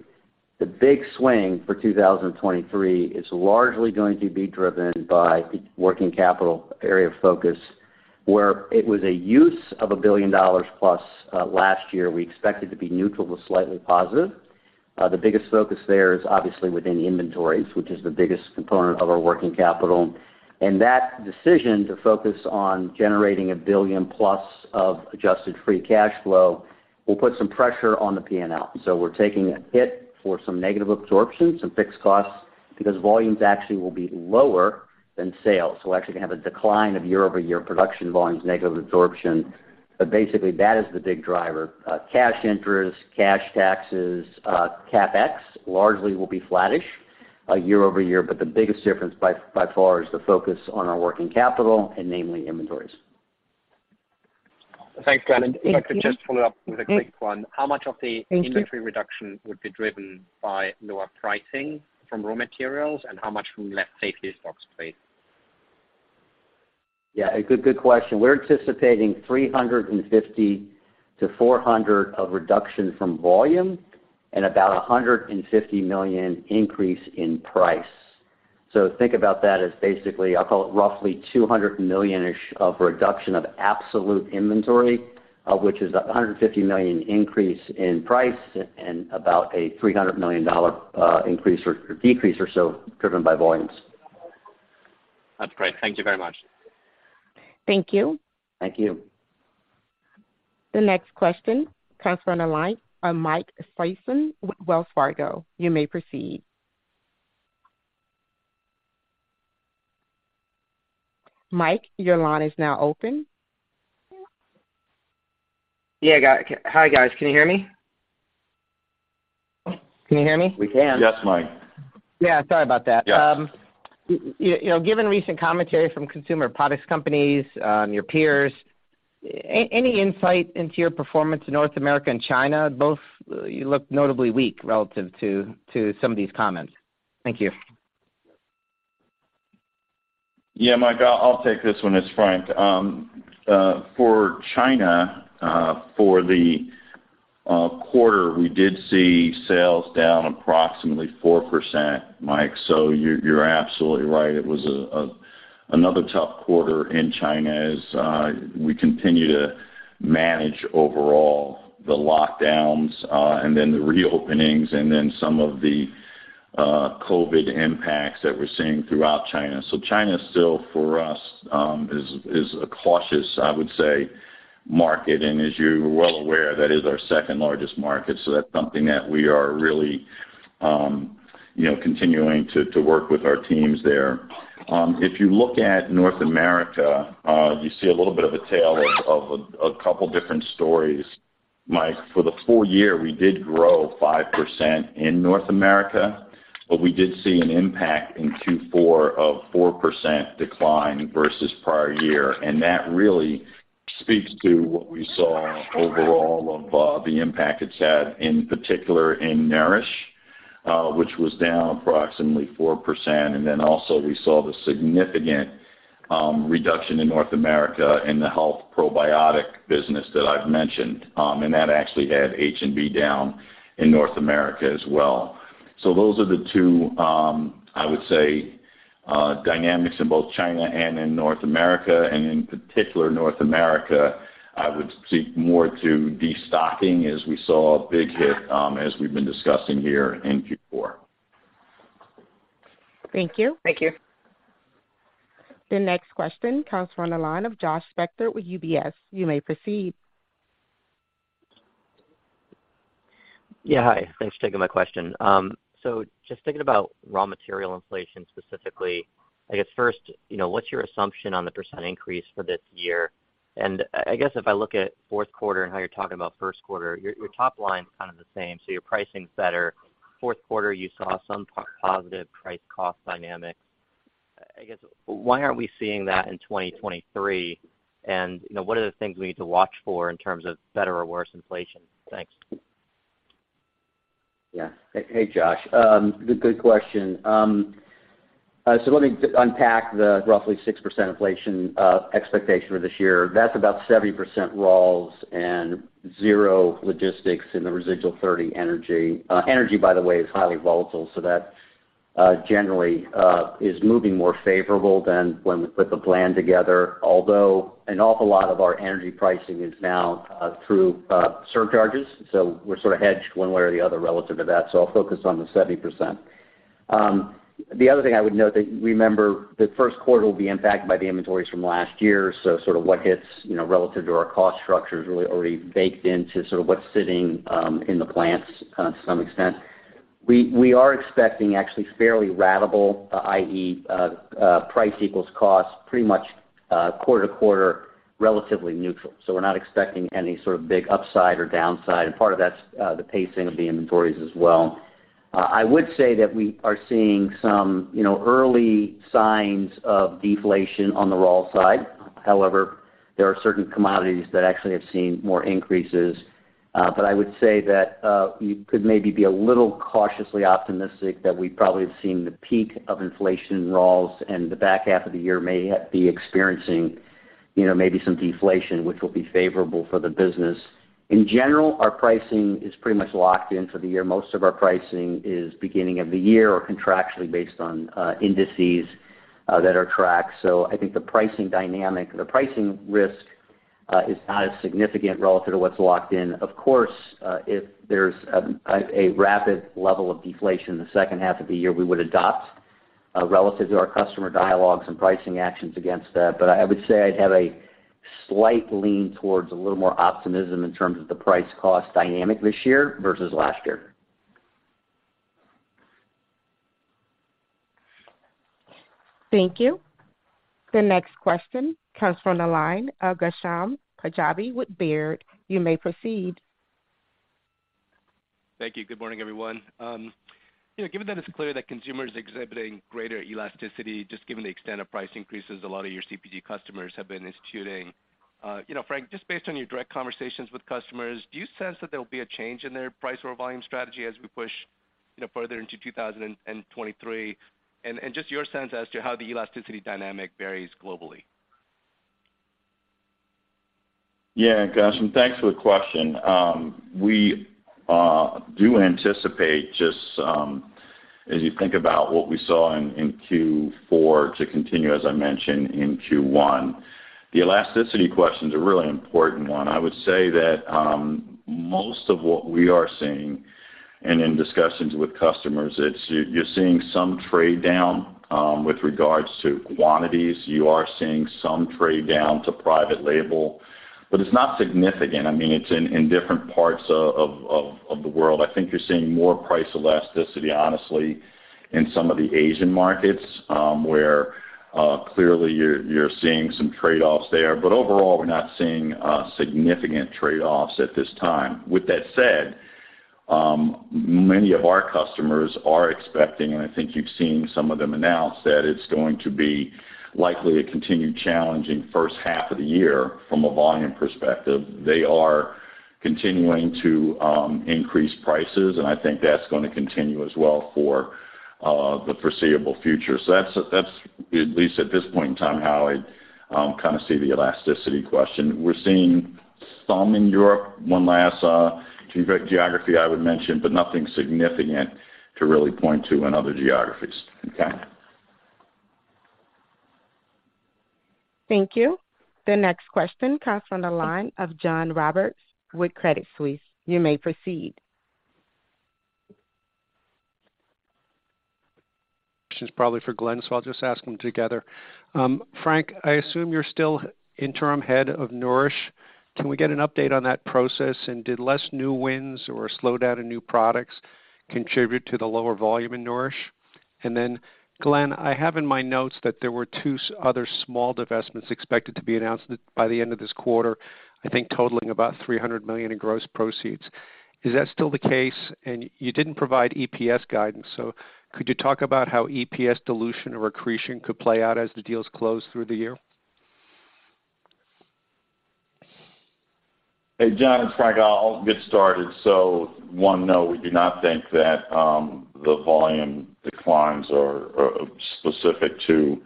The big swing for 2023 is largely going to be driven by the working capital area of focus, where it was a use of $1 billion plus last year. We expect it to be neutral to slightly positive. The biggest focus there is obviously within inventories, which is the biggest component of our working capital. That decision to focus on generating $1 billion-plus of adjusted free cash flow will put some pressure on the P&L. We're taking a hit for some negative absorption, some fixed costs, because volumes actually will be lower than sales. We'll actually have a decline of year-over-year production volumes, negative absorption. Basically, that is the big driver. Cash interest, cash taxes, CapEx largely will be flattish year-over-year, but the biggest difference by far is the focus on our working capital and namely inventories. Thanks, Glenn. Thank you. If I could just follow up with a quick one. Mm-hmm. How much of Thank you. Inventory reduction would be driven by lower pricing from raw materials and how much from less safety stocks, please? Yeah, a good question. We're anticipating $350 million-$400 million of reduction from volume and about $150 million increase in price. Think about that as basically, I'll call it roughly $200 million-ish of reduction of absolute inventory, which is $150 million increase in price and about a $300 million increase or decrease or so driven by volumes. That's great. Thank you very much. Thank you. Thank you. The next question comes from the line of Mike Sison with Wells Fargo. You may proceed. Mike, your line is now open. Yeah, got it. Hi, guys. Can you hear me? Can you hear me? We can. Yes, Mike. Yeah, sorry about that. Yeah. You know, given recent commentary from consumer products companies, your peers, any insight into your performance in North America and China, both you look notably weak relative to some of these comments? Thank you. Yeah, Mike, I'll take this one. It's Frank. For China, for the quarter, we did see sales down approximately 4%, Mike. You're absolutely right. It was a another tough quarter in China as we continue to manage overall the lockdowns, and then the reopenings and then some of the COVID impacts that we're seeing throughout China. China is still for us, is a cautious, I would say, market. As you're well aware, that is our second-largest market. That's something that we are really, you know, continuing to work with our teams there. If you look at North America, you see a little bit of a tale of a couple different stories, Mike. For the full year, we did grow 5% in North America, we did see an impact in Q4 of 4% decline versus prior year. That really speaks to what we saw overall of the impact it's had, in particular in Nourish, which was down approximately 4%. Also we saw the significant reduction in North America in the health probiotic business that I've mentioned. That actually had H&B down in North America as well. Those are the two, I would say, dynamics in both China and in North America, and in particular North America, I would speak more to destocking as we saw a big hit, as we've been discussing here in Q4. Thank you. Thank you. The next question comes from the line of Josh Spector with UBS. You may proceed. Yeah. Hi. Thanks for taking my question. Just thinking about raw material inflation specifically, I guess first, you know, what's your assumption on the percentage increase for this year? I guess if I look at fourth quarter and how you're talking about first quarter, your top line's kind of the same, so your pricing's better. Fourth quarter, you saw some positive price cost dynamics. I guess, why aren't we seeing that in 2023? You know, what are the things we need to watch for in terms of better or worse inflation? Thanks. Yeah. Hey, Josh. Good, good question. Let me unpack the roughly 6% inflation expectation for this year. That's about 70% raws and zero logistics in the residual 30 energy. Energy, by the way, is highly volatile, that generally is moving more favorable than when we put the plan together. Although an awful lot of our energy pricing is now through surcharges, we're sort of hedged one way or the other relative to that. I'll focus on the 70%. The other thing I would note that remember the first quarter will be impacted by the inventories from last year. Sort of what hits, you know, relative to our cost structure is really already baked into sort of what's sitting in the plants to some extent. We are expecting actually fairly ratable, i.e., price equals cost pretty much, quarter to quarter, relatively neutral. We're not expecting any sort of big upside or downside. Part of that's, the pacing of the inventories as well. I would say that we are seeing some, you know, early signs of deflation on the raw side. However, there are certain commodities that actually have seen more increases. I would say that, you could maybe be a little cautiously optimistic that we probably have seen the peak of inflation in raws and the back half of the year may be experiencing, you know, maybe some deflation, which will be favorable for the business. In general, our pricing is pretty much locked in for the year. Most of our pricing is beginning of the year or contractually based on indices that are tracked. I think the pricing dynamic, the pricing risk is not as significant relative to what's locked in. Of course, if there's a rapid level of deflation in the second half of the year, we would adopt relative to our customer dialogues and pricing actions against that. I would say I'd have a slight lean towards a little more optimism in terms of the price cost dynamic this year versus last year. Thank you. The next question comes from the line of Ghansham Panjabi with Baird. You may proceed. Thank you. Good morning, everyone. You know, given that it's clear that consumer is exhibiting greater elasticity, just given the extent of price increases a lot of your CPG customers have been instituting, you know, Frank, just based on your direct conversations with customers, do you sense that there will be a change in their price or volume strategy as we push, you know, further into 2023? Just your sense as to how the elasticity dynamic varies globally. Yeah. Ghansham, thanks for the question. We do anticipate just, as you think about what we saw in Q4 to continue, as I mentioned in Q1. The elasticity question is a really important one. I would say that, most of what we are seeing and in discussions with customers, you're seeing some trade down with regards to quantities. You are seeing some trade down to private label, but it's not significant. I mean, it's in different parts of the world. I think you're seeing more price elasticity, honestly, in some of the Asian markets, where clearly, you're seeing some trade-offs there. Overall, we're not seeing significant trade-offs at this time. With that said, many of our customers are expecting, and I think you've seen some of them announce, that it's going to be likely a continued challenging first half of the year from a volume perspective. They are continuing to increase prices, and I think that's gonna continue as well for the foreseeable future. That's, at least at this point in time, how I kind of see the elasticity question. We're seeing some in Europe, one last geography I would mention, but nothing significant to really point to in other geographies. Okay. Thank you. The next question comes from the line of John Roberts with Credit Suisse. You may proceed. This is probably for Glenn, so I'll just ask them together. Frank, I assume you're still interim head of Nourish. Can we get an update on that process? Did less new wins or a slowdown in new products contribute to the lower volume in Nourish? Glenn, I have in my notes that there were two other small divestments expected to be announced by the end of this quarter, I think totaling about $300 million in gross proceeds. Is that still the case? You didn't provide EPS guidance, so could you talk about how EPS dilution or accretion could play out as the deals close through the year? Hey, John, it's Frank. I'll get started. One, no, we do not think that the volume declines are specific to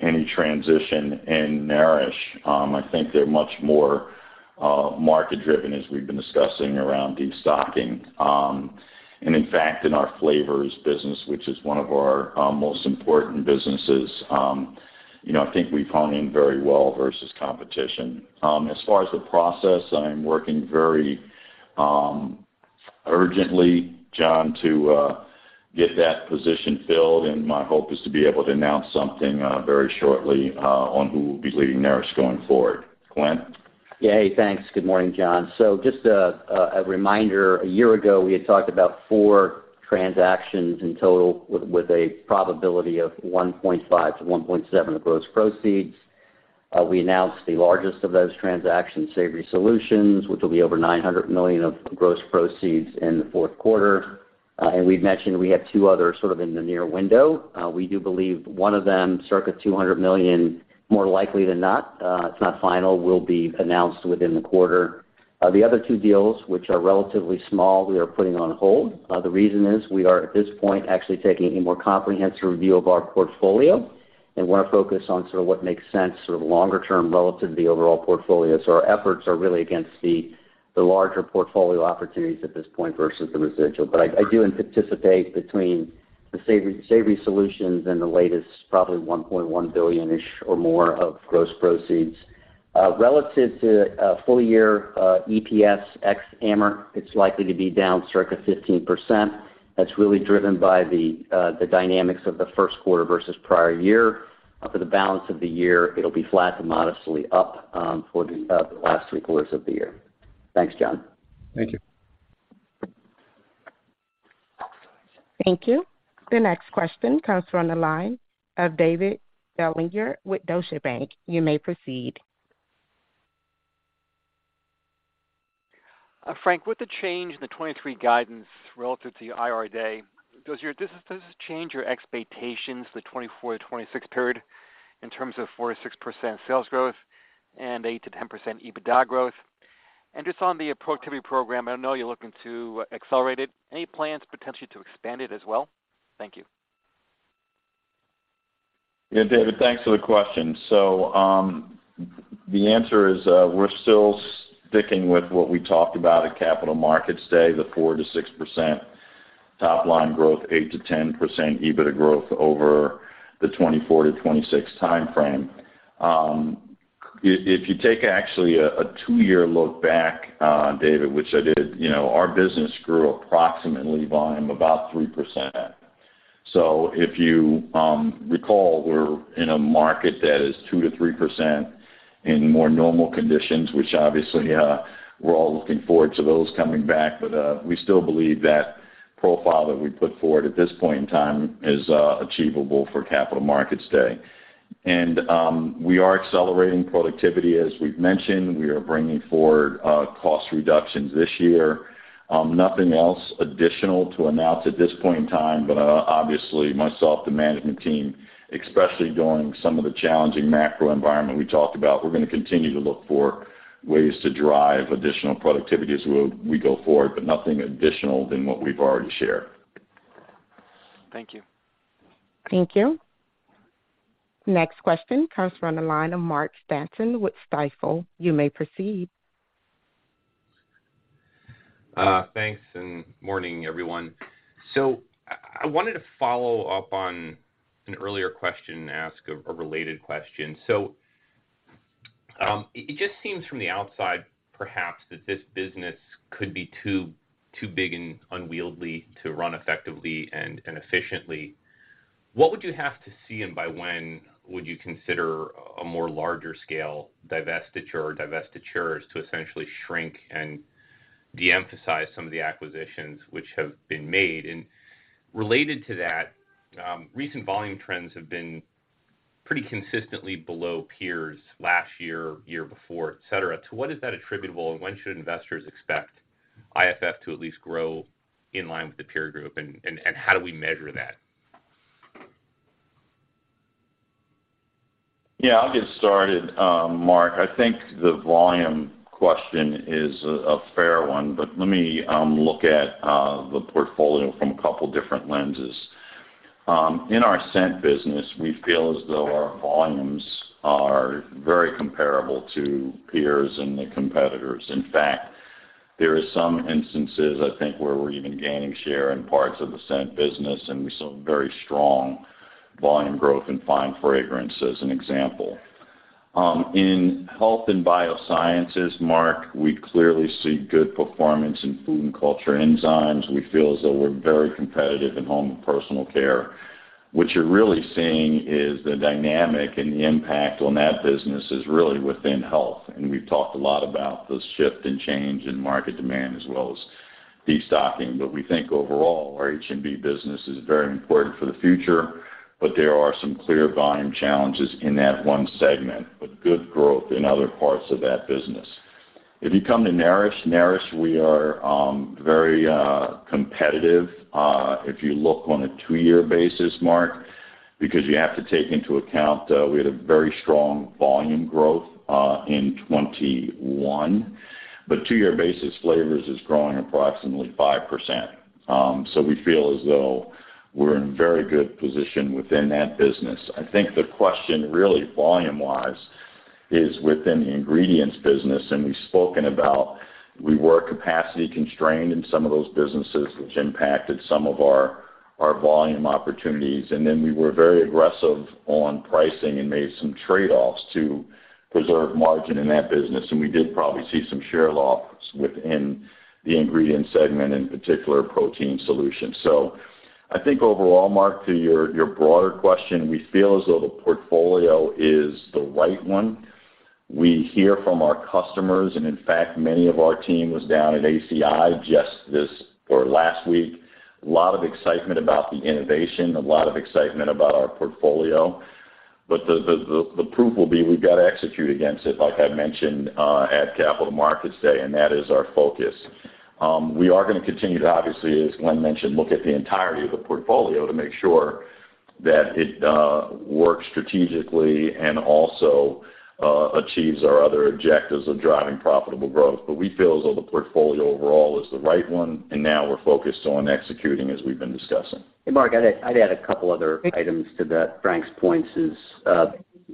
any transition in Nourish. I think they're much more market driven, as we've been discussing around destocking. In fact, in our flavors business, which is one of our most important businesses, you know, I think we've hung in very well versus competition. As far as the process, I am working very urgently, John, to get that position filled, my hope is to be able to announce something very shortly on who will be leading Nourish going forward. Glenn? Yeah. Hey, thanks. Good morning, John. Just a reminder, a year ago, we had talked about four transactions in total with a probability of 1.5-1.7 of gross proceeds. We announced the largest of those transactions, Savory Solutions, which will be over $900 million of gross proceeds in the fourth quarter. We've mentioned we have two others sort of in the near window. We do believe one of them, circa $200 million, more likely than not, it's not final, will be announced within the quarter. The other two deals, which are relatively small, we are putting on hold. The reason is we are, at this point, actually taking a more comprehensive review of our portfolio and wanna focus on sort of what makes sense sort of longer term relative to the overall portfolio. Our efforts are really against the larger portfolio opportunities at this point versus the residual. I do anticipate between the Savory Solutions and the latest, probably $1.1 billion-ish or more of gross proceeds. Relative to full year EPS ex Amortization, it's likely to be down circa 15%. That's really driven by the dynamics of the first quarter versus prior year. For the balance of the year, it'll be flat to modestly up for the last three quarters of the year. Thanks, John. Thank you. Thank you. The next question comes from the line of David Begleiter with Deutsche Bank. You may proceed. Frank, with the change in the 2023 guidance relative to your IR day, does this change your expectations for the 2024-2026 period in terms of 4%-6% sales growth and 8%-10% EBITDA growth? Just on the productivity program, I know you're looking to accelerate it. Any plans potentially to expand it as well? Thank you. Yeah, David, thanks for the question. The answer is, we're still sticking with what we talked about at Capital Markets Day, the 4%-6% top line growth, 8%-10% EBITDA growth over the 2024-2026 timeframe. If you take actually a two-year look back, David, which I did, you know, our business grew approximately volume about 3%. If you recall, we're in a market that is 2%-3% in more normal conditions, which obviously, we're all looking forward to those coming back. We still believe that profile that we put forward at this point in time is achievable for Capital Markets Day. We are accelerating productivity, as we've mentioned. We are bringing forward, cost reductions this year. Nothing else additional to announce at this point in time. Obviously myself, the management team, especially during some of the challenging macro environment we talked about, we're gonna continue to look for ways to drive additional productivity as we go forward. Nothing additional than what we've already shared. Thank you. Thank you. Next question comes from the line of Mark Astrachan with Stifel. You may proceed. Thanks, and morning, everyone. I wanted to follow up on an earlier question and ask a related question. It just seems from the outside perhaps that this business could be too big and unwieldy to run effectively and efficiently. What would you have to see, and by when would you consider a more larger scale divestiture or divestitures to essentially shrink and de-emphasize some of the acquisitions which have been made? Related to that, recent volume trends have been pretty consistently below peers last year before, et cetera. To what is that attributable, and when should investors expect IFF to at least grow in line with the peer group? How do we measure that? Yeah, I'll get started, Mark. I think the volume question is a fair one, but let me look at the portfolio from a couple different lenses. In our Scent business, we feel as though our volumes are very comparable to peers and the competitors. In fact, there are some instances, I think, where we're even gaining share in parts of the Scent business, and we saw very strong volume growth in Fine Fragrance as an example. In Health & Biosciences, Mark, we clearly see good performance in Cultures & Food Enzymes. We feel as though we're very competitive in home and personal care. What you're really seeing is the dynamic, and the impact on that business is really within Health, and we've talked a lot about the shift and change in market demand as well as destocking. We think overall our H&B business is very important for the future. There are some clear volume challenges in that one segment, but good growth in other parts of that business. If you come to Nourish, we are very competitive, if you look on a two-year basis, Mark, because you have to take into account, we had a very strong volume growth in 2021. Two-year basis, flavors is growing approximately 5%. We feel as though we're in very good position within that business. I think the question really volume-wise is within the ingredients business, and we've spoken about we were capacity constrained in some of those businesses, which impacted some of our volume opportunities. We were very aggressive on pricing and made some trade-offs to preserve margin in that business, and we did probably see some share loss within the ingredient segment, in particular Protein Solutions. I think overall, Mark, to your broader question, we feel as though the portfolio is the right one. We hear from our customers, and in fact, many of our team was down at ACI last week. A lot of excitement about the innovation, a lot of excitement about our portfolio. The proof will be we've got to execute against it, like I mentioned at Capital Markets Day, and that is our focus. We are gonna continue to obviously, as Glenn mentioned, look at the entirety of the portfolio to make sure that it works strategically and also achieves our other objectives of driving profitable growth. We feel as though the portfolio overall is the right one, and now we're focused on executing as we've been discussing. Mark, I'd add a couple other items to that. Frank Clyburn's point is,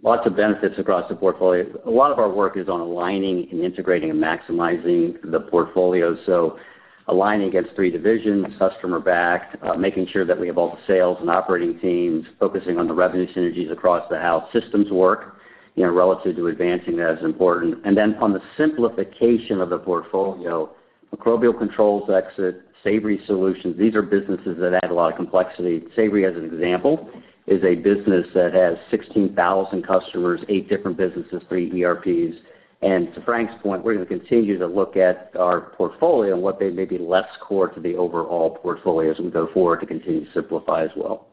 lots of benefits across the portfolio. A lot of our work is on aligning and integrating and maximizing the portfolio. Aligning against 3 divisions, customer backed, making sure that we have all the sales and operating teams focusing on the revenue synergies across the how systems work, you know, relative to advancing that is important. On the simplification of the portfolio, Microbial Control exit, Savory Solutions, these are businesses that add a lot of complexity. Savory Solutions, as an example, is a business that has 16,000 customers, 8 different businesses, three ERPs. To Frank Clyburn's point, we're gonna continue to look at our portfolio and what they may be less core to the overall portfolio as we go forward to continue to simplify as well.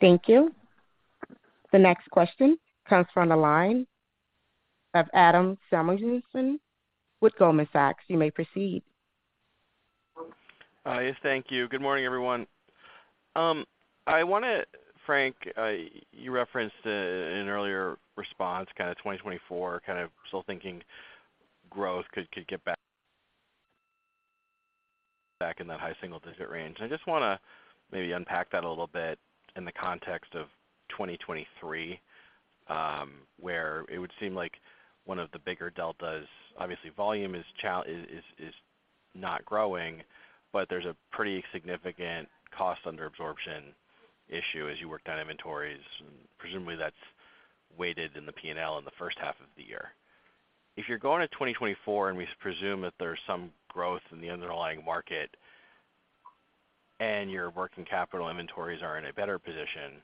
Thank you. The next question comes from the line of Adam Samuelson with Goldman Sachs. You may proceed. Yes, thank you. Good morning, everyone. Frank, you referenced in an earlier response kind of 2024, still thinking growth could get back in that high single digit range. I just wanna maybe unpack that a little bit in the context of 2023, where it would seem like one of the bigger deltas, obviously volume is not growing, but there's a pretty significant cost under absorption issue as you work down inventories, and presumably that's weighted in the P&L in the first half of the year. If you're going to 2024, and we presume that there's some growth in the underlying market and your working capital inventories are in a better position,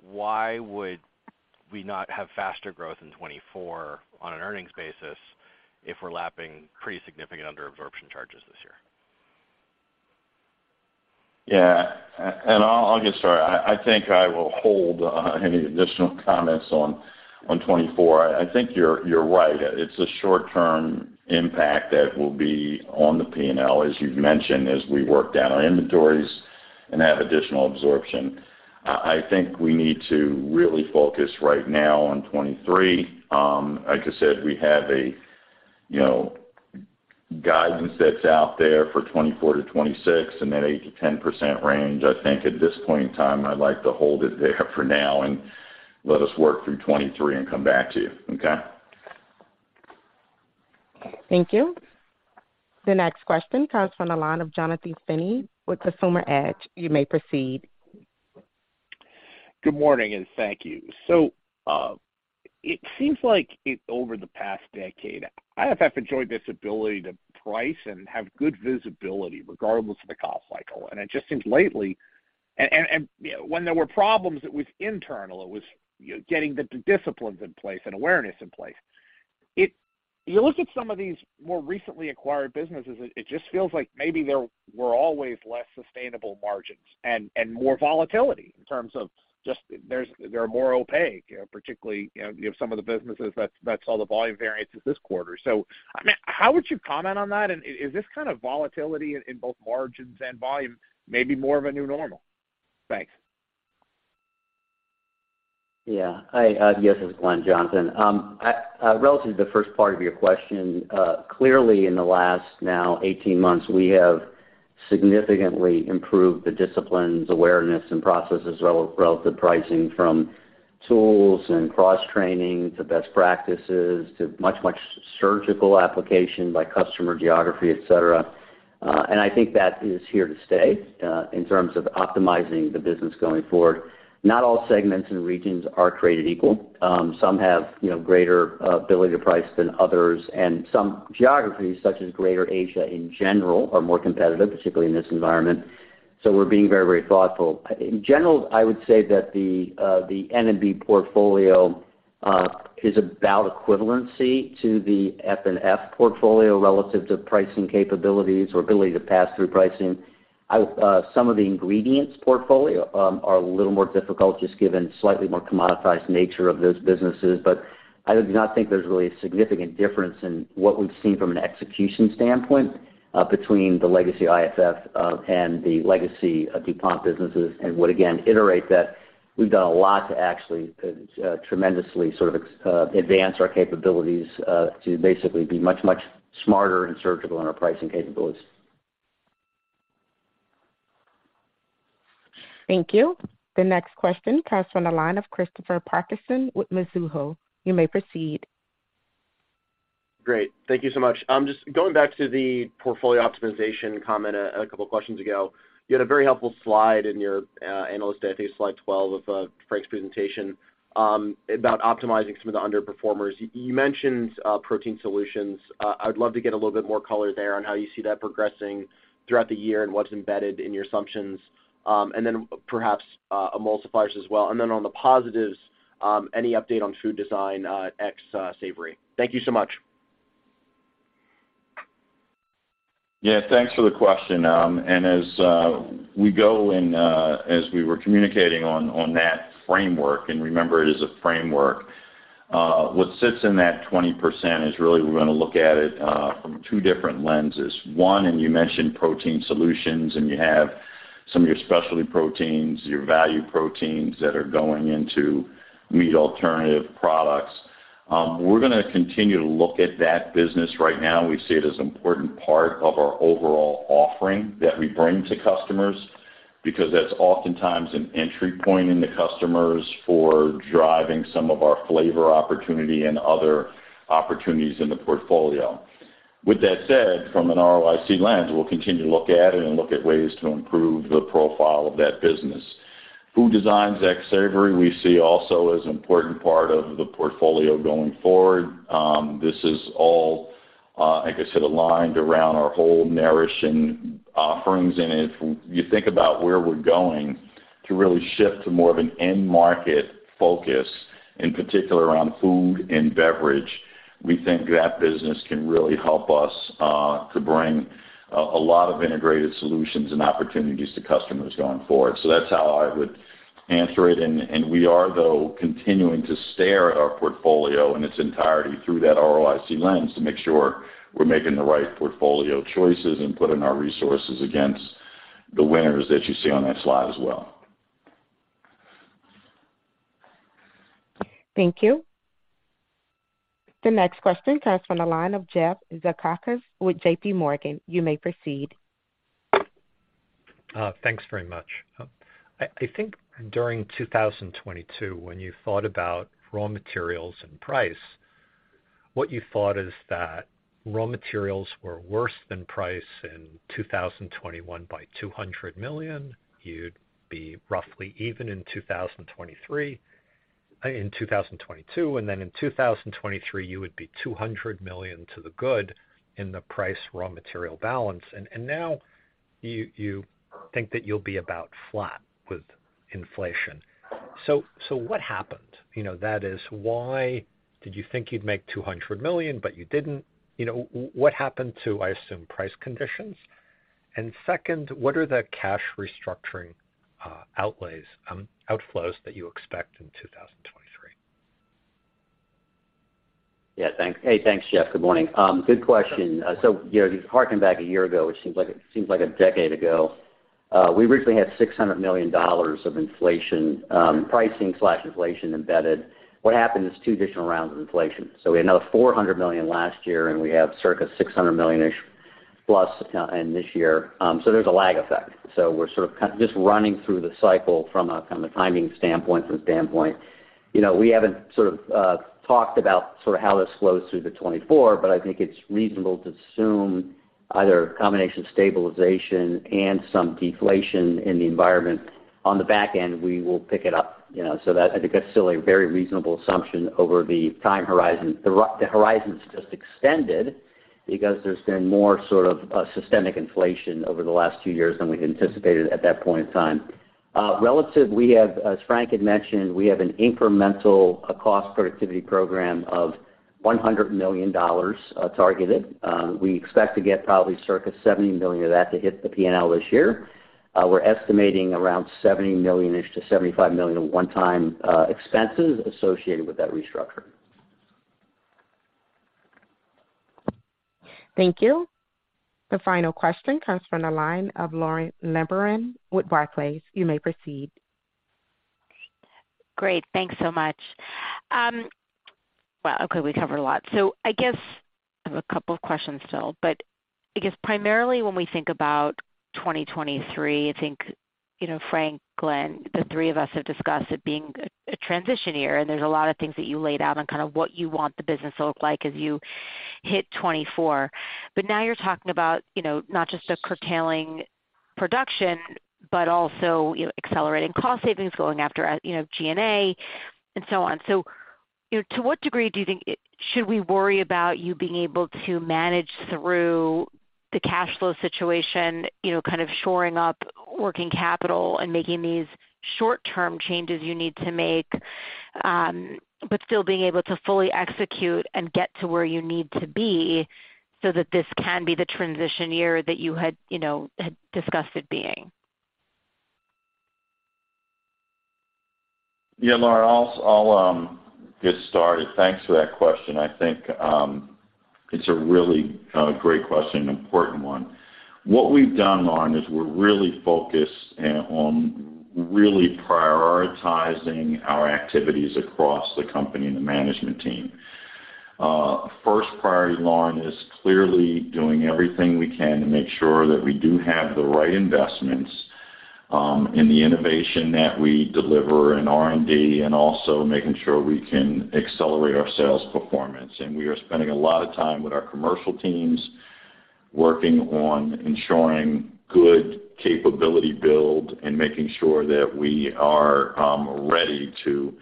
why would we not have faster growth in 2024 on an earnings basis if we're lapping pretty significant under absorption charges this year? I'll get started. I think I will hold any additional comments on 2024. I think you're right. It's a short-term impact that will be on the P&L, as you've mentioned, as we work down our inventories and have additional absorption. I think we need to really focus right now on 2023. Like I said, we have, you know, guidance that's out there for 2024-2026 in that 8%-10% range. I think at this point in time, I'd like to hold it there for now and let us work through 2023 and come back to you. Okay? Thank you. The next question comes from the line of Jonathan Feeney with Consumer Edge. You may proceed. Good morning, and thank you. It seems like over the past decade, IFF enjoyed this ability to price and have good visibility regardless of the cost cycle. It just seems lately, when there were problems, it was internal. It was, you know, getting the disciplines in place and awareness in place. You look at some of these more recently acquired businesses, it just feels like maybe there were always less sustainable margins and more volatility in terms of just they're more opaque, you know, particularly, you know, some of the businesses that's all the volume variances this quarter. I mean, how would you comment on that? Is this kind of volatility in both margins and volume maybe more of a new normal? Thanks. Yeah. Hi, yes, this is Glenn Richter. relative to the first part of your question, clearly in the last now 18 months, we have significantly improved the disciplines, awareness and processes relative to pricing from tools and cross-training to best practices to much surgical application by customer geography, et cetera. I think that is here to stay in terms of optimizing the business going forward. Not all segments and regions are created equal. some have, you know, greater ability to price than others, and some geographies, such as Greater Asia in general, are more competitive, particularly in this environment. We're being very, very thoughtful. In general, I would say that the N&B portfolio is about equivalency to the F&F portfolio relative to pricing capabilities or ability to pass through pricing. Some of the ingredients portfolio, are a little more difficult just given slightly more commoditized nature of those businesses. I do not think there's really a significant difference in what we've seen from an execution standpoint, between the legacy IFF, and the legacy DuPont businesses, and would again iterate that we've done a lot to actually, tremendously sort of advance our capabilities, to basically be much, much smarter and surgical in our pricing capabilities. Thank you. The next question comes from the line of Christopher Parkinson with Mizuho. You may proceed. Great. Thank you so much. I'm just going back to the portfolio optimization comment a couple of questions ago. You had a very helpful slide in your analyst day, I think slide 12 of Frank's presentation, about optimizing some of the underperformers. You mentioned Protein Solutions. I'd love to get a little bit more color there on how you see that progressing throughout the year and what's embedded in your assumptions, and then perhaps emulsifiers as well. On the positives, any update on Food Design ex Savory. Thank you so much. Yeah. Thanks for the question. As we go and as we were communicating on that framework, and remember it is a framework, what sits in that 20% is really we're gonna look at it from two different lenses. One, and you mentioned Protein Solutions, and you have some of your specialty proteins, your value proteins that are going into meat alternative products. We're gonna continue to look at that business. Right now, we see it as important part of our overall offering that we bring to customers because that's oftentimes an entry point into customers for driving some of our flavor opportunity and other opportunities in the portfolio. With that said, from an ROIC lens, we'll continue to look at it and look at ways to improve the profile of that business. Food Designs ex savory, we see also as an important part of the portfolio going forward. This is all, like I said, aligned around our whole nourishing offerings in it. You think about where we're going to really shift to more of an end market focus, in particular around food and beverage, we think that business can really help us to bring a lot of integrated solutions and opportunities to customers going forward. That's how I would answer it. We are, though, continuing to stare at our portfolio in its entirety through that ROIC lens to make sure we're making the right portfolio choices and putting our resources against the winners that you see on that slide as well. Thank you. The next question comes from the line of Jeff Zekauskas with J.P. Morgan. You may proceed. Thanks very much. I think during 2022, when you thought about raw materials and price, what you thought is that raw materials were worse than price in 2021 by $200 million. You'd be roughly even in 2023 in 2022, then in 2023, you would be $200 million to the good in the price raw material balance. Now you think that you'll be about flat with inflation. So what happened? You know, that is, why did you think you'd make $200 million, but you didn't? You know, what happened to, I assume, price conditions? Second, what are the cash restructuring outlays, outflows that you expect in 2023? Yeah, thanks. Hey, thanks, Jeff. Good morning. Good question. You know, hearken back a year ago, which seems like a decade ago, we originally had $600 million of inflation, pricing slash inflation embedded. What happened is two additional rounds of inflation. We had another $400 million last year, and we have circa $600 million-ish. This year, there's a lag effect. We're just running through the cycle from a kind of timing standpoint. You know, we haven't talked about how this flows through to 2024, but I think it's reasonable to assume either a combination of stabilization and some deflation in the environment. On the back end, we will pick it up, you know, I think that's still a very reasonable assumption over the time horizon. The horizon's just extended because there's been more systemic inflation over the last two years than we'd anticipated at that point in time. Relative, we have, as Frank had mentioned, we have an incremental cost productivity program of $100 million targeted. We expect to get probably circa $70 million of that to hit the P&L this year. We're estimating around $70 million-ish to $75 million one-time, expenses associated with that restructure. Thank you. The final question comes from the line of Lauren Lieberman with Barclays. You may proceed. Great. Thanks so much. Well, okay, we covered a lot. I guess I have a couple of questions still. I guess primarily when we think about 2023, I think, you know, Frank, Glenn, the three of us have discussed it being a transition year, and there's a lot of things that you laid out on kind of what you want the business to look like as you hit 2024. Now you're talking about, you know, not just a curtailing production, but also, you know, accelerating cost savings, going after, you know, G&A and so on. you know, to what degree should we worry about you being able to manage through the cash flow situation, you know, kind of shoring up working capital and making these short-term changes you need to make, but still being able to fully execute and get to where you need to be so that this can be the transition year that you had, you know, had discussed it being? Yeah, Lauren, I'll get started. Thanks for that question. I think it's a really great question, an important one. What we've done, Lauren, is we're really focused on really prioritizing our activities across the company and the management team. First priority, Lauren, is clearly doing everything we can to make sure that we do have the right investments in the innovation that we deliver in R&D, and also making sure we can accelerate our sales performance. We are spending a lot of time with our commercial teams working on ensuring good capability build and making sure that we are ready to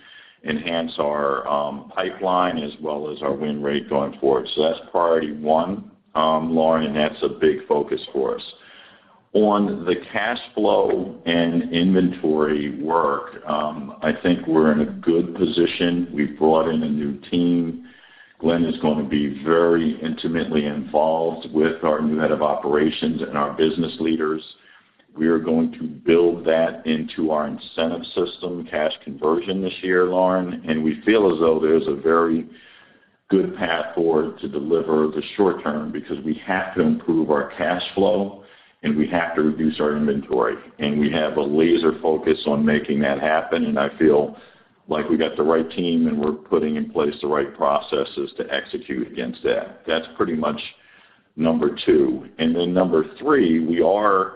enhance our pipeline as well as our win rate going forward. That's priority one, Lauren, and that's a big focus for us. On the cash flow and inventory work, I think we're in a good position. We've brought in a new team. Glenn Richter is gonna be very intimately involved with our new head of operations and our business leaders. We are going to build that into our incentive system, cash conversion this year, Lauren Lieberman, and we feel as though there's a very good path forward to deliver the short term because we have to improve our cash flow, and we have to reduce our inventory. We have a laser focus on making that happen, and I feel like we got the right team, and we're putting in place the right processes to execute against that. That's pretty much number 2. Number 3, we are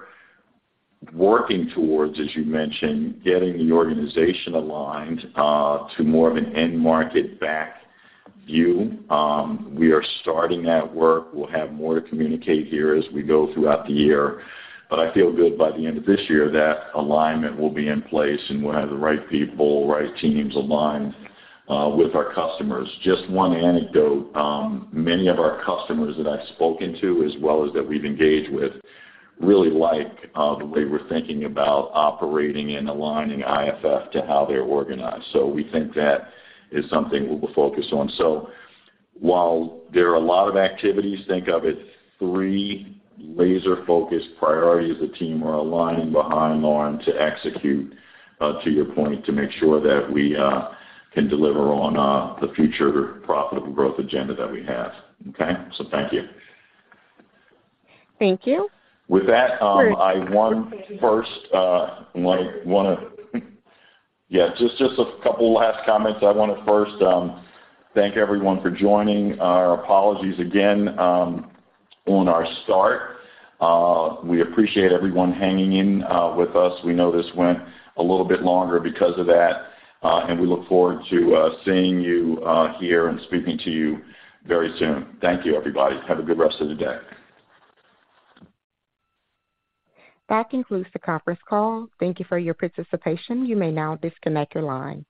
working towards, as you mentioned, getting the organization aligned to more of an end market back view. We are starting that work. We'll have more to communicate here as we go throughout the year. I feel good by the end of this year that alignment will be in place, and we'll have the right people, right teams aligned with our customers. Just one anecdote, many of our customers that I've spoken to, as well as that we've engaged with, really like the way we're thinking about operating and aligning IFF to how they're organized. We think that is something we will focus on. While there are a lot of activities, think of it three laser-focused priorities the team are aligning behind Lauren to execute, to your point, to make sure that we can deliver on the future profitable growth agenda that we have. Okay? Thank you. Thank you. With that, just a couple last comments. I wanna first thank everyone for joining. Our apologies again on our start. We appreciate everyone hanging in with us. We know this went a little bit longer because of that. We look forward to seeing you here and speaking to you very soon. Thank you, everybody. Have a good rest of the day. That concludes the conference call. Thank you for your participation. You may now disconnect your line.